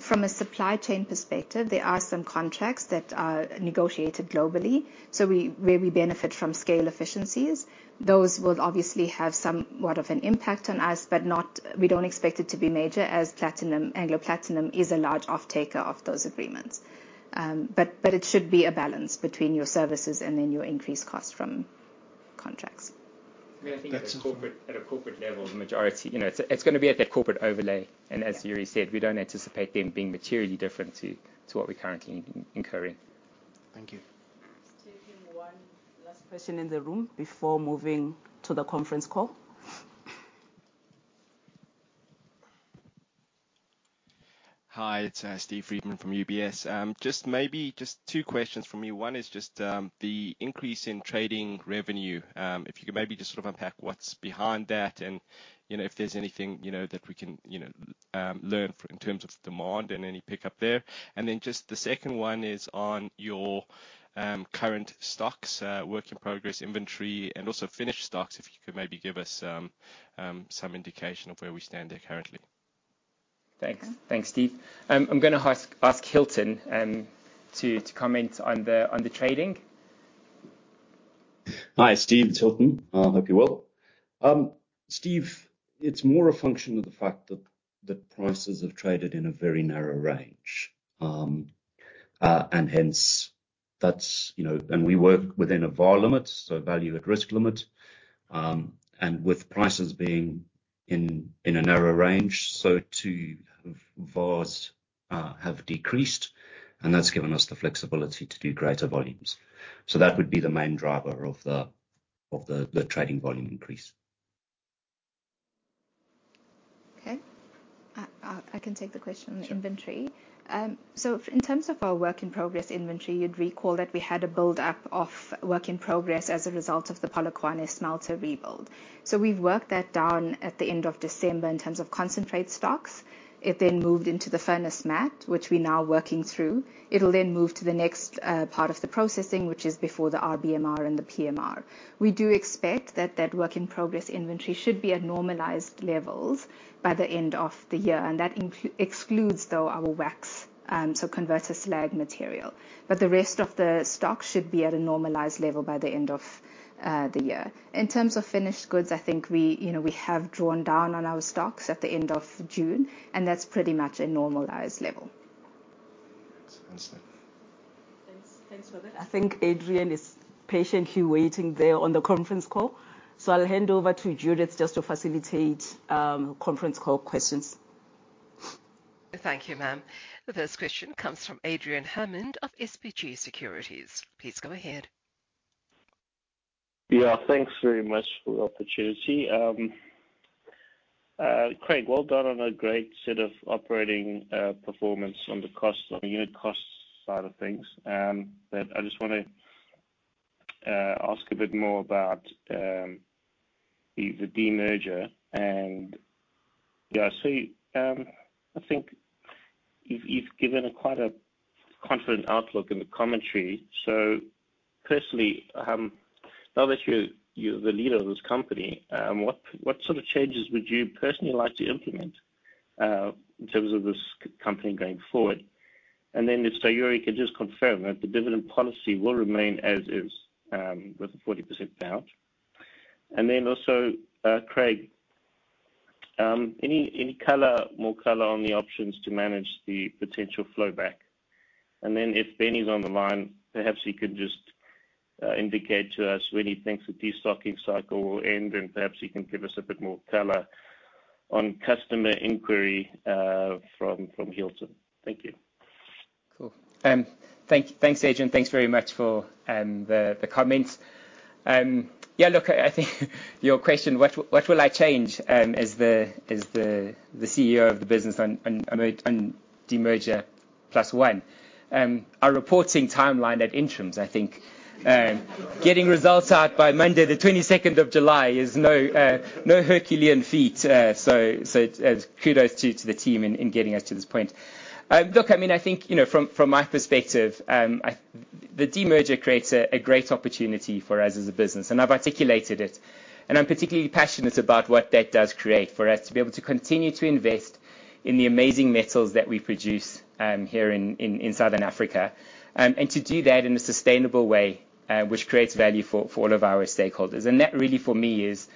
D: From a supply chain perspective, there are some contracts that are negotiated globally, so we, where we benefit from scale efficiencies. Those will obviously have somewhat of an impact on us, but not, we don't expect it to be major, as Anglo Platinum is a large off-taker of those agreements. But it should be a balance between your services and then your increased costs from contracts.
C: I think at a corporate level, the majority, you know, it's gonna be at that corporate overlay. And as Sayurie said, we don't anticipate them being materially different to what we're currently incurring.
H: Thank you.
A: Just taking one last question in the room before moving to the conference call.
I: Hi, it's Steve Friedman from UBS. Just maybe just two questions from me. One is just the increase in trading revenue. If you could maybe just sort of unpack what's behind that, and, you know, if there's anything, you know, that we can, you know, learn in terms of demand and any pickup there. And then just the second one is on your current stocks, work in progress, inventory, and also finished stocks, if you could maybe give us some indication of where we stand there currently.
C: Thanks. Thanks, Steve. I'm gonna ask Hilton to comment on the trading.
J: Hi, Steve, it's Hilton. Hope you're well. Steve, it's more a function of the fact that prices have traded in a very narrow range. And hence, that's, you know, and we work within a VaR limit, so value at risk limit. And with prices being in a narrow range, so too, VaRs have decreased, and that's given us the flexibility to do greater volumes. So that would be the main driver of the trading volume increase.
D: Okay. I can take the question on the inventory.
J: Sure.
D: So in terms of our work in progress inventory, you'd recall that we had a build-up of work in progress as a result of the Polokwane smelter rebuild. So we've worked that down at the end of December in terms of concentrate stocks. It then moved into the furnace matte, which we're now working through. It'll then move to the next part of the processing, which is before the RBMR and the PMR. We do expect that that work in progress inventory should be at normalized levels by the end of the year, and that excludes, though, our wax, so converter slag material. But the rest of the stock should be at a normalized level by the end of the year. In terms of finished goods, I think we, you know, we have drawn down on our stocks at the end of June, and that's pretty much a normalized level.
J: Thanks, Sayurie.
A: Thanks, thanks for that. I think Adrian is patiently waiting there on the conference call, so I'll hand over to Judith just to facilitate conference call questions.
K: Thank you, ma'am. The first question comes from Adrian Hammond of SBG Securities. Please go ahead.
L: Yeah, thanks very much for the opportunity. Craig, well done on a great set of operating performance on the cost, on the unit cost side of things. But I just wanna ask a bit more about the demerger. And yeah, I see, I think you've given a quite confident outlook in the commentary. So personally, now that you're the leader of this company, what sort of changes would you personally like to implement in terms of this company going forward? And then if Sayuri can just confirm that the dividend policy will remain as is, with a 40% payout. And then also, Craig, any color, more color on the options to manage the potential flowback? Then if Benny's on the line, perhaps he could just indicate to us when he thinks the destocking cycle will end, and perhaps he can give us a bit more color on customer inquiry from Hilton. Thank you.
C: Cool. Thanks, Adrian. Thanks very much for the comments. Yeah, look, I think your question, what will I change as the CEO of the business on demerger plus one? Our reporting timeline at interims, I think. Getting results out by Monday, the 22 of July is no Herculean feat. So, kudos to the team in getting us to this point. Look, I mean, I think, you know, from my perspective, the demerger creates a great opportunity for us as a business, and I've articulated it. I'm particularly passionate about what that does create for us to be able to continue to invest in the amazing metals that we produce here in Southern Africa. And to do that in a sustainable way, which creates value for all of our stakeholders. That really, for me, is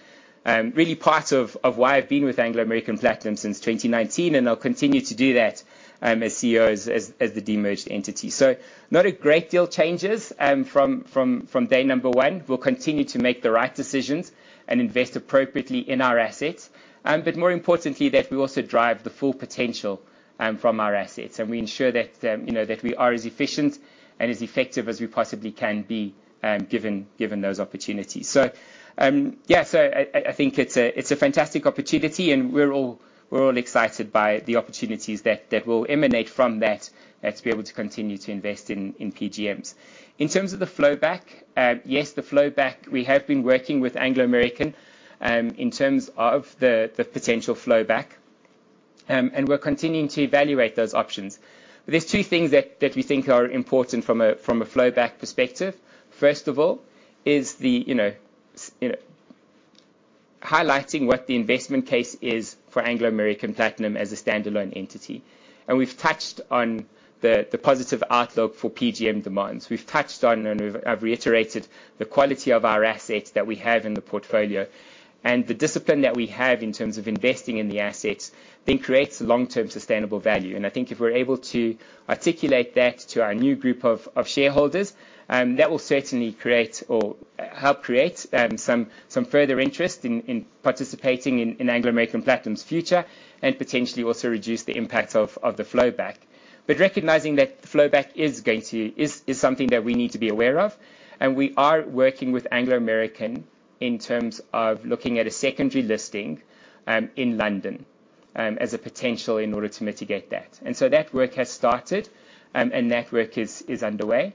C: really part of why I've been with Anglo American Platinum since 2019, and I'll continue to do that as CEO, as the demerged entity. So not a great deal changes from day number one. We'll continue to make the right decisions and invest appropriately in our assets. But more importantly, that we also drive the full potential from our assets, and we ensure that, you know, that we are as efficient and as effective as we possibly can be, given those opportunities. So, yeah, I think it's a fantastic opportunity, and we're all excited by the opportunities that will emanate from that, to be able to continue to invest in PGMs. In terms of the flowback, yes, the flowback, we have been working with Anglo American in terms of the potential flowback. And we're continuing to evaluate those options. There's two things that we think are important from a flowback perspective. First of all, it's the, you know, you know, highlighting what the investment case is for Anglo American Platinum as a standalone entity. And we've touched on the positive outlook for PGM demand. We've touched on, I've reiterated the quality of our assets that we have in the portfolio. And the discipline that we have in terms of investing in the assets, then creates long-term sustainable value. And I think if we're able to articulate that to our new group of shareholders, that will certainly create or help create some further interest in participating in Anglo American Platinum's future and potentially also reduce the impact of the flowback. But recognizing that the flowback is going to be something that we need to be aware of, and we are working with Anglo American in terms of looking at a secondary listing in London as a potential in order to mitigate that. That work has started, and that work is underway.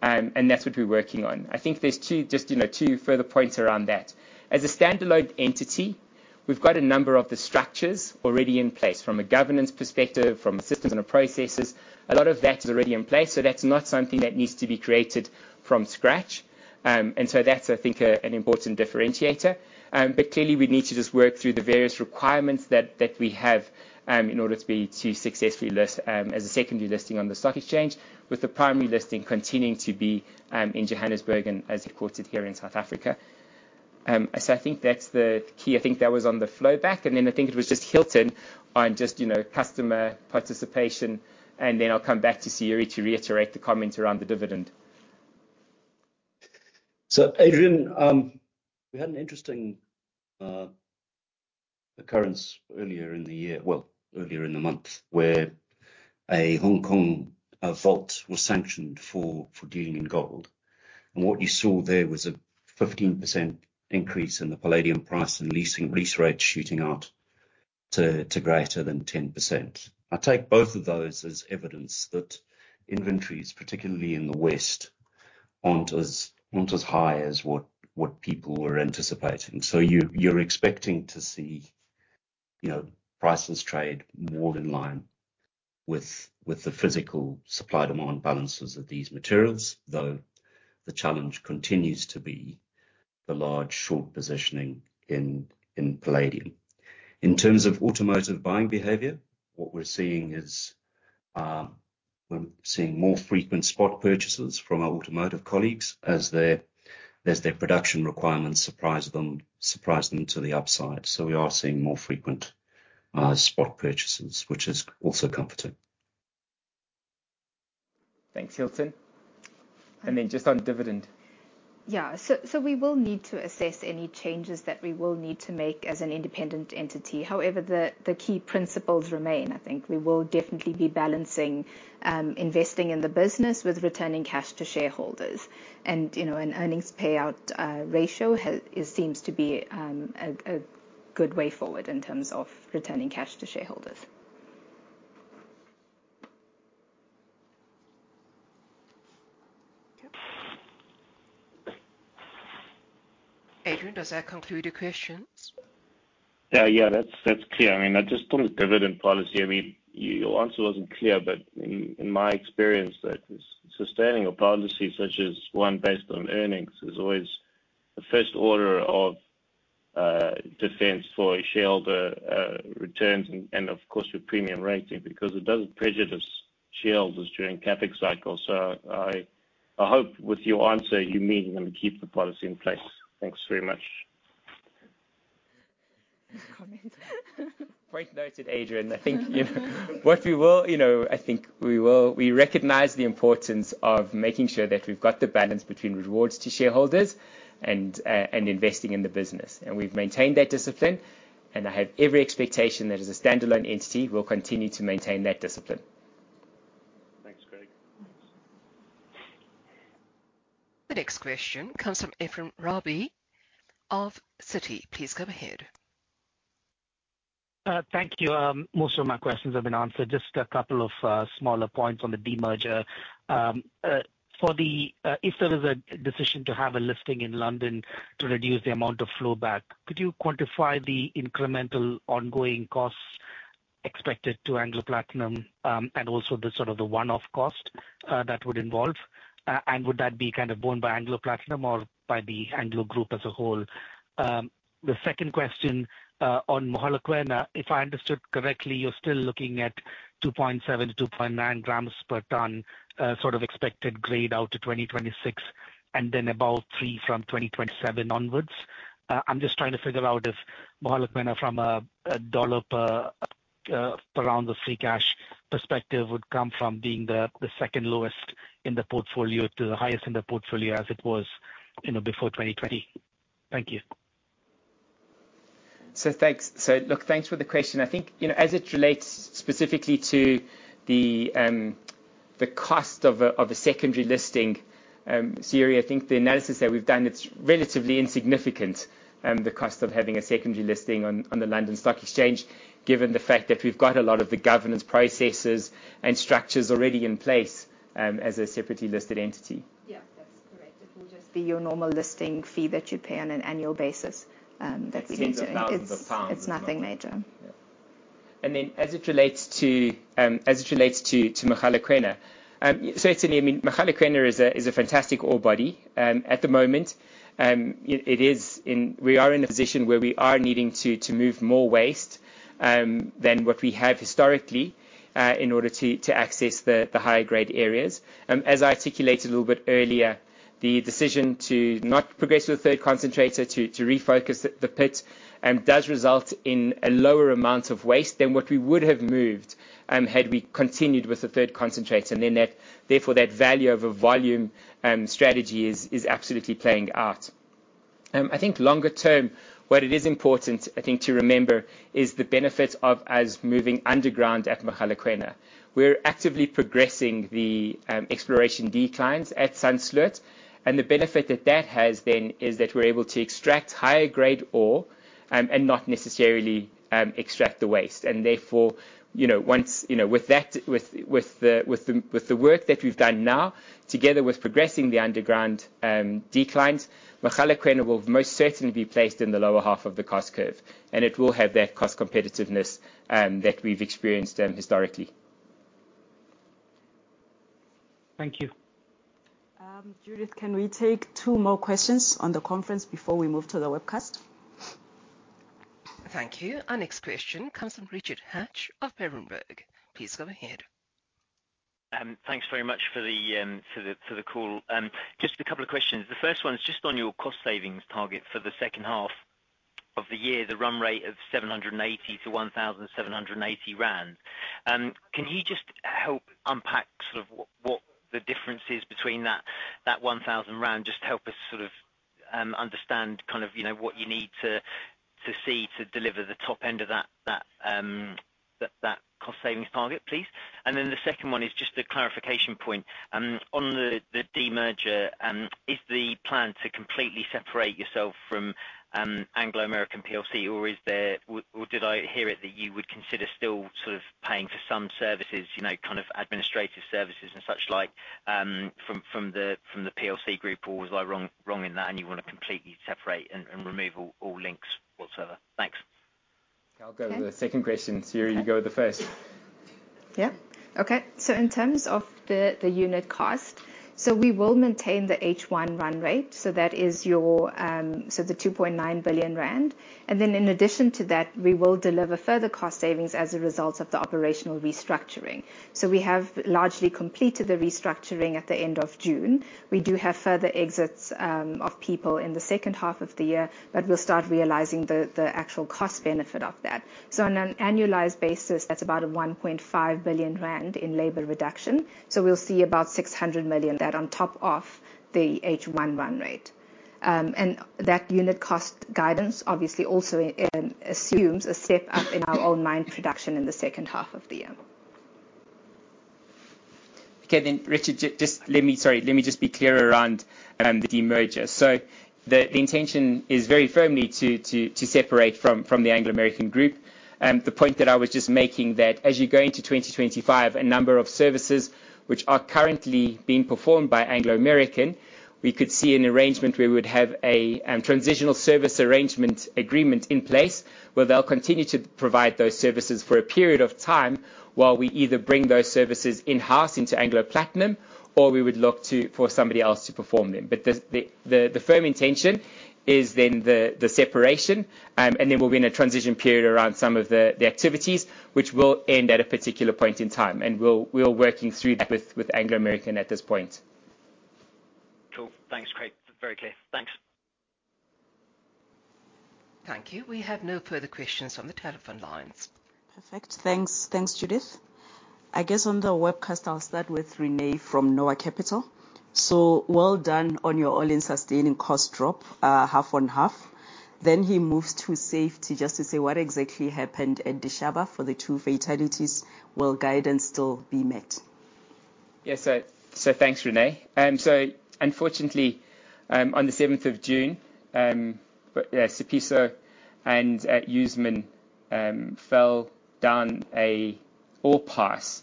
C: That's what we're working on. I think there's just two, you know, two further points around that. As a standalone entity, we've got a number of the structures already in place from a governance perspective, from a systems and processes. A lot of that is already in place, so that's not something that needs to be created from scratch. That's, I think, an important differentiator. Clearly we need to just work through the various requirements that we have, in order to be, to successfully list, as a secondary listing on the stock exchange, with the primary listing continuing to be, in Johannesburg and as headquartered here in South Africa. I think that's the key. I think that was on the flowback, and then I think it was just Hilton on just, you know, customer participation. Then I'll come back to Sayurie to reiterate the comment around the dividend.
J: So, Adrian, we had an interesting occurrence earlier in the year, well, earlier in the month, where a Hong Kong vault was sanctioned for dealing in gold. And what you saw there was a 15% increase in the palladium price and lease rates shooting out to greater than 10%. I take both of those as evidence that inventories, particularly in the West, aren't as high as what people were anticipating. So you're expecting to see, you know, prices trade more in line with the physical supply-demand balances of these materials, though the challenge continues to be the large short positioning in palladium. In terms of automotive buying behavior, what we're seeing is we're seeing more frequent spot purchases from our automotive colleagues as their production requirements surprise them to the upside. So we are seeing more frequent, spot purchases, which is also comforting.
C: Thanks, Hilton. And then just on dividend.
D: Yeah. So we will need to assess any changes that we will need to make as an independent entity. However, the key principles remain, I think. We will definitely be balancing investing in the business with returning cash to shareholders. And, you know, an earnings payout ratio it seems to be a good way forward in terms of returning cash to shareholders.
K: Adrian, does that conclude your questions?
L: Yeah, that's clear. I mean, I just on the dividend policy, I mean, your answer wasn't clear, but in my experience, that sustaining a policy such as one based on earnings is always the first order of defense for shareholder returns and of course, your premium rating, because it doesn't prejudice shareholders during CapEx cycles. So I hope with your answer, you mean you're going to keep the policy in place. Thanks very much.
D: Comment.
C: Point noted, Adrian. I think, you know, we recognize the importance of making sure that we've got the balance between rewards to shareholders and investing in the business. And we've maintained that discipline, and I have every expectation that as a standalone entity, we'll continue to maintain that discipline.
L: Thanks, Craig.
K: The next question comes from Ephrem Ravi of Citi. Please go ahead.
M: Thank you. Most of my questions have been answered. Just a couple of smaller points on the demerger. For the, if there is a decision to have a listing in London to reduce the amount of flowback, could you quantify the incremental ongoing costs expected to Anglo Platinum, and also the sort of the one-off cost, that would involve? And would that be kind of borne by Anglo Platinum or by the Anglo group as a whole? The second question, on Mogalakwena. If I understood correctly, you're still looking at 2.7-2.9 grams per ton, sort of expected grade out to 2026, and then about 3 from 2027 onwards. I'm just trying to figure out if Mogalakwena, from a dollar per ounce of free cash perspective, would come from being the second lowest in the portfolio to the highest in the portfolio as it was, you know, before 2020. Thank you.
C: Thanks. Look, thanks for the question. I think, you know, as it relates specifically to the cost of a secondary listing, Sayuri, I think the analysis that we've done, it's relatively insignificant, the cost of having a secondary listing on the London Stock Exchange, given the fact that we've got a lot of the governance processes and structures already in place, as a separately listed entity.
D: Yeah, that's correct. It will just be your normal listing fee that you pay on an annual basis, that-
C: Tens of thousands GBP.
D: It's nothing major.
C: Yeah. And then as it relates to Mogalakwena, so certainly, I mean, Mogalakwena is a fantastic ore body. At the moment, we are in a position where we are needing to move more waste than what we have historically in order to access the higher grade areas. As I articulated a little bit earlier, the decision to not progress with the third concentrator to refocus the pit does result in a lower amount of waste than what we would have moved had we continued with the third concentrator. And then, therefore, that value over volume strategy is absolutely playing out. I think longer term, what it is important, I think, to remember, is the benefit of as moving underground at Mogalakwena. We're actively progressing the exploration declines at Sandsloot, and the benefit that that has then is that we're able to extract higher grade ore, and not necessarily extract the waste. And therefore, you know, once— you know, with that, with, with the, with the, with the work that we've done now, together with progressing the underground declines, Mogalakwena will most certainly be placed in the lower half of the cost curve, and it will have that cost competitiveness that we've experienced historically.
M: Thank you.
A: Judith, can we take two more questions on the conference before we move to the webcast?
K: Thank you. Our next question comes from Richard Hatch of Berenberg. Please go ahead.
N: Thanks very much for the call. Just a couple of questions. The first one is just on your cost savings target for the second half of the year, the run rate of 780-1,780 rand. Can you just help unpack sort of what the difference is between that 1,000? Just help us sort of understand kind of, you know, what you need to see to deliver the top end of that cost savings target, please. And then the second one is just a clarification point. On the demerger, is the plan to completely separate yourself from Anglo American plc, or is there... Or did I hear it that you would consider still sort of paying for some services, you know, kind of administrative services and such like, from the PLC group? Or was I wrong in that, and you want to completely separate and remove all links whatsoever? Thanks.
C: I'll go with the second question. Sayurie, go with the first.
D: Yeah. Okay. So in terms of the unit cost, so we will maintain the H1 run rate. So that is your, so the 2.9 billion rand. And then in addition to that, we will deliver further cost savings as a result of the operational restructuring. So we have largely completed the restructuring at the end of June. We do have further exits, of people in the second half of the year, but we'll start realizing the actual cost benefit of that. So on an annualized basis, that's about 1.5 billion rand in labor reduction, so we'll see about 600 million that on top of the H1 run rate. And that unit cost guidance obviously also, assumes a step up in our own mine production in the second half of the year.
C: Okay, then, Richard, just let me... Sorry, let me just be clear around the demerger. So the intention is very firmly to separate from the Anglo American Group. The point that I was just making, that as you go into 2025, a number of services which are currently being performed by Anglo American, we could see an arrangement where we would have a transitional service arrangement agreement in place, where they'll continue to provide those services for a period of time while we either bring those services in-house into Anglo Platinum, or we would look to for somebody else to perform them. But the firm intention is then the separation, and then we'll be in a transition period around some of the activities which will end at a particular point in time, and we're working through that with Anglo American at this point.
N: Cool. Thanks, Craig. Very clear. Thanks.
K: Thank you. We have no further questions on the telephone lines.
A: Perfect. Thanks. Thanks, Judith. I guess on the webcast, I'll start with René from Noah Capital Markets. "So well done on your all-in sustaining cost drop, half on half." Then he moves to safety, just to say: What exactly happened at Dishaba for the two fatalities? Will guidance still be met?
C: Yes, so thanks, René. So unfortunately, on the seventh of June, Sepiso and Usman fell down an ore pass,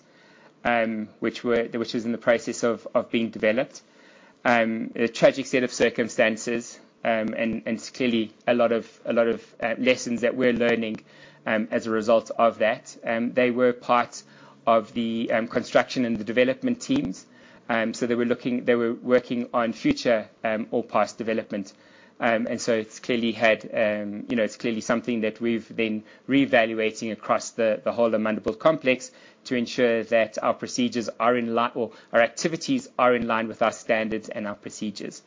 C: which was in the process of being developed. A tragic set of circumstances, and clearly a lot of lessons that we're learning as a result of that. They were part of the construction and the development teams. So they were working on future ore pass development. And so it's clearly had, you know, it's clearly something that we've been reevaluating across the whole Amandelbult complex, to ensure that our procedures are in line or our activities are in line with our standards and our procedures.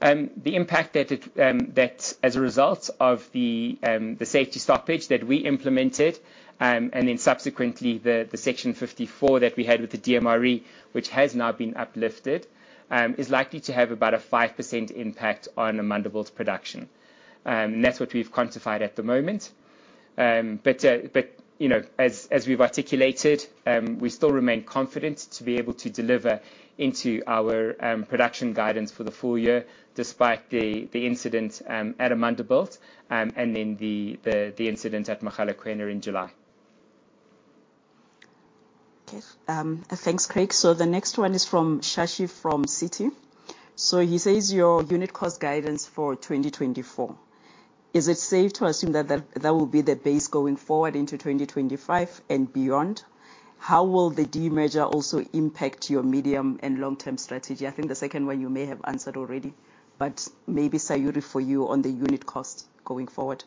C: The impact that as a result of the safety stoppage that we implemented, and then subsequently the Section 54 that we had with the DMRE, which has now been uplifted, is likely to have about a 5% impact on Amandelbult's production. That's what we've quantified at the moment. But you know, as we've articulated, we still remain confident to be able to deliver into our production guidance for the full year, despite the incident at Amandelbult, and then the incident at Mogalakwena in July.
A: Okay. Thanks, Craig. So the next one is from Shashi, from Citi. So he says, "Your unit cost guidance for 2024, is it safe to assume that, that, that will be the base going forward into 2025 and beyond? How will the demerger also impact your medium and long-term strategy?" I think the second one you may have answered already, but maybe, Sayuri, for you on the unit cost going forward.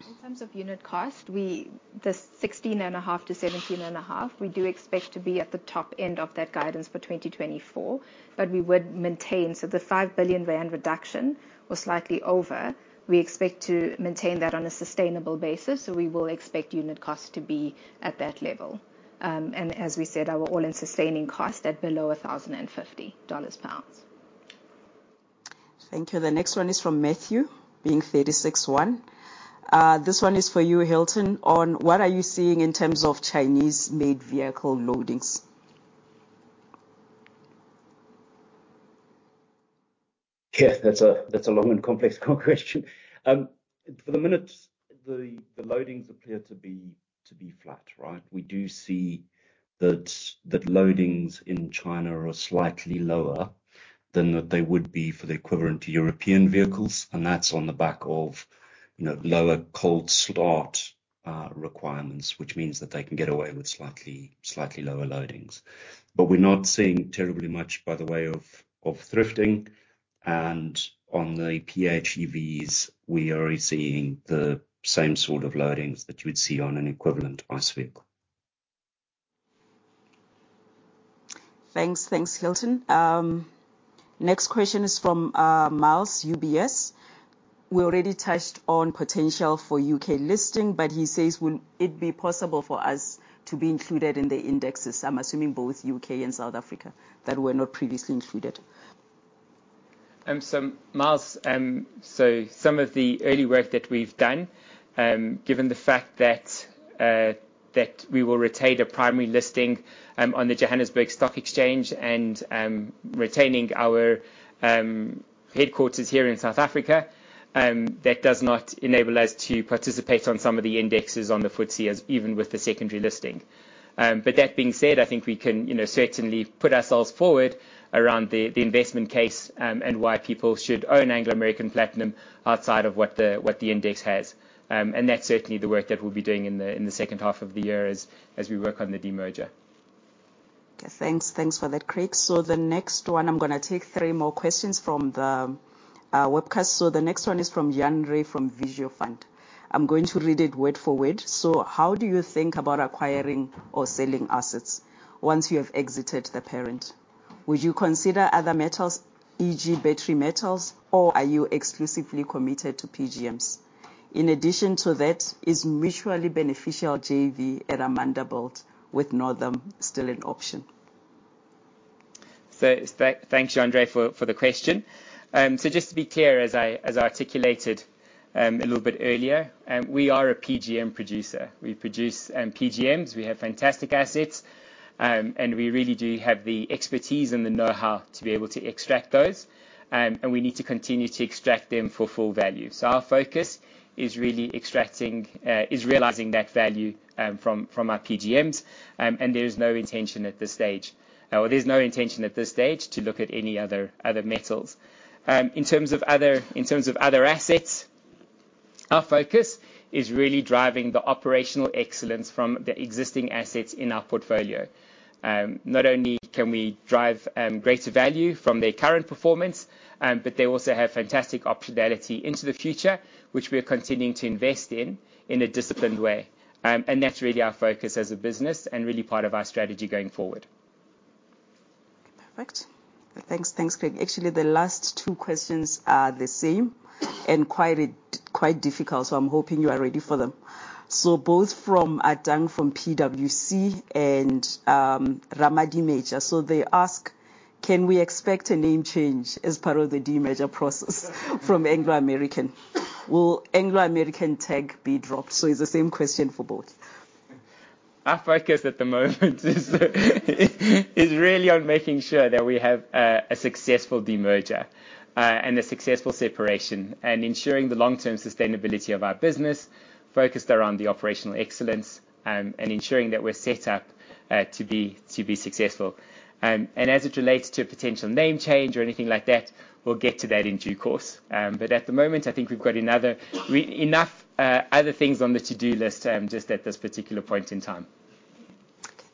D: Yes. In terms of unit cost, the 16.5-17.5, we do expect to be at the top end of that guidance for 2024, but we would maintain. So the 5 billion rand reduction or slightly over, we expect to maintain that on a sustainable basis, so we will expect unit cost to be at that level. And as we said, our all-in sustaining cost at below $1,050 dollars pounds.
A: .Thank you. The next one is from Matthew on line 361. This one is for you, Hilton, on what are you seeing in terms of Chinese-made vehicle loadings?
J: Yeah, that's a long and complex question. For the minute, the loadings appear to be flat, right? We do see that loadings in China are slightly lower than they would be for the equivalent European vehicles, and that's on the back of, you know, lower cold start requirements, which means that they can get away with slightly lower loadings. But we're not seeing terribly much by the way of thrifting, and on the PHEVs, we are already seeing the same sort of loadings that you would see on an equivalent ICE vehicle.
A: Thanks. Thanks, Hilton. Next question is from Miles, UBS. We already touched on potential for U.K. listing, but he says: "Would it be possible for us to be included in the indexes?" I'm assuming both U.K. and South Africa, that were not previously included.
C: So Miles, so some of the early work that we've done, given the fact that, that we will retain a primary listing, on the Johannesburg Stock Exchange and, retaining our, headquarters here in South Africa, that does not enable us to participate on some of the indexes on the FTSE, as even with the secondary listing. But that being said, I think we can, you know, certainly put ourselves forward around the investment case, and why people should own Anglo American Platinum outside of what the index has. And that's certainly the work that we'll be doing in the second half of the year as we work on the demerger.
A: Okay, thanks. Thanks for that, Craig. So the next one, I'm gonna take three more questions from the webcast. So the next one is from Jandré from Visio Fund. I'm going to read it word for word. "So how do you think about acquiring or selling assets once you have exited the parent? Would you consider other metals, e.g., battery metals, or are you exclusively committed to PGMs? In addition to that, is mutually beneficial JV at Amandelbult with Northam still an option?
C: So thank you, Jandré, for the question. So just to be clear, as I articulated, a little bit earlier, we are a PGM producer. We produce PGMs. We have fantastic assets, and we really do have the expertise and the know-how to be able to extract those. And we need to continue to extract them for full value. So our focus is really realizing that value from our PGMs. And there is no intention at this stage. There's no intention at this stage to look at any other metals. In terms of other assets, our focus is really driving the operational excellence from the existing assets in our portfolio. Not only can we drive greater value from their current performance, but they also have fantastic optionality into the future, which we are continuing to invest in, in a disciplined way. That's really our focus as a business and really part of our strategy going forward.
A: Perfect. Thanks. Thanks, Craig. Actually, the last two questions are the same and quite difficult, so I'm hoping you are ready for them. So both from Adang, from PwC, and Ramadi Major, so they ask: "Can we expect a name change as part of the demerger process from Anglo American? Will Anglo American tag be dropped?" So it's the same question for both.
C: Our focus at the moment is really on making sure that we have a successful demerger and a successful separation, and ensuring the long-term sustainability of our business, focused around the operational excellence, and ensuring that we're set up to be successful. And as it relates to a potential name change or anything like that, we'll get to that in due course. But at the moment, I think we've got enough other things on the to-do list, just at this particular point in time.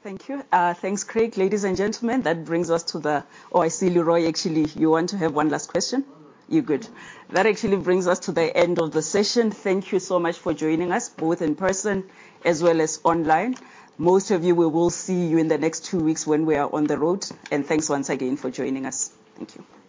A: Thank you. Thanks, Craig. Ladies and gentlemen, that brings us to the... Oh, I see Leroy, actually, you want to have one last question? You're good. That actually brings us to the end of the session. Thank you so much for joining us, both in person as well as online. Most of you, we will see you in the next two weeks when we are on the road. And thanks once again for joining us. Thank you.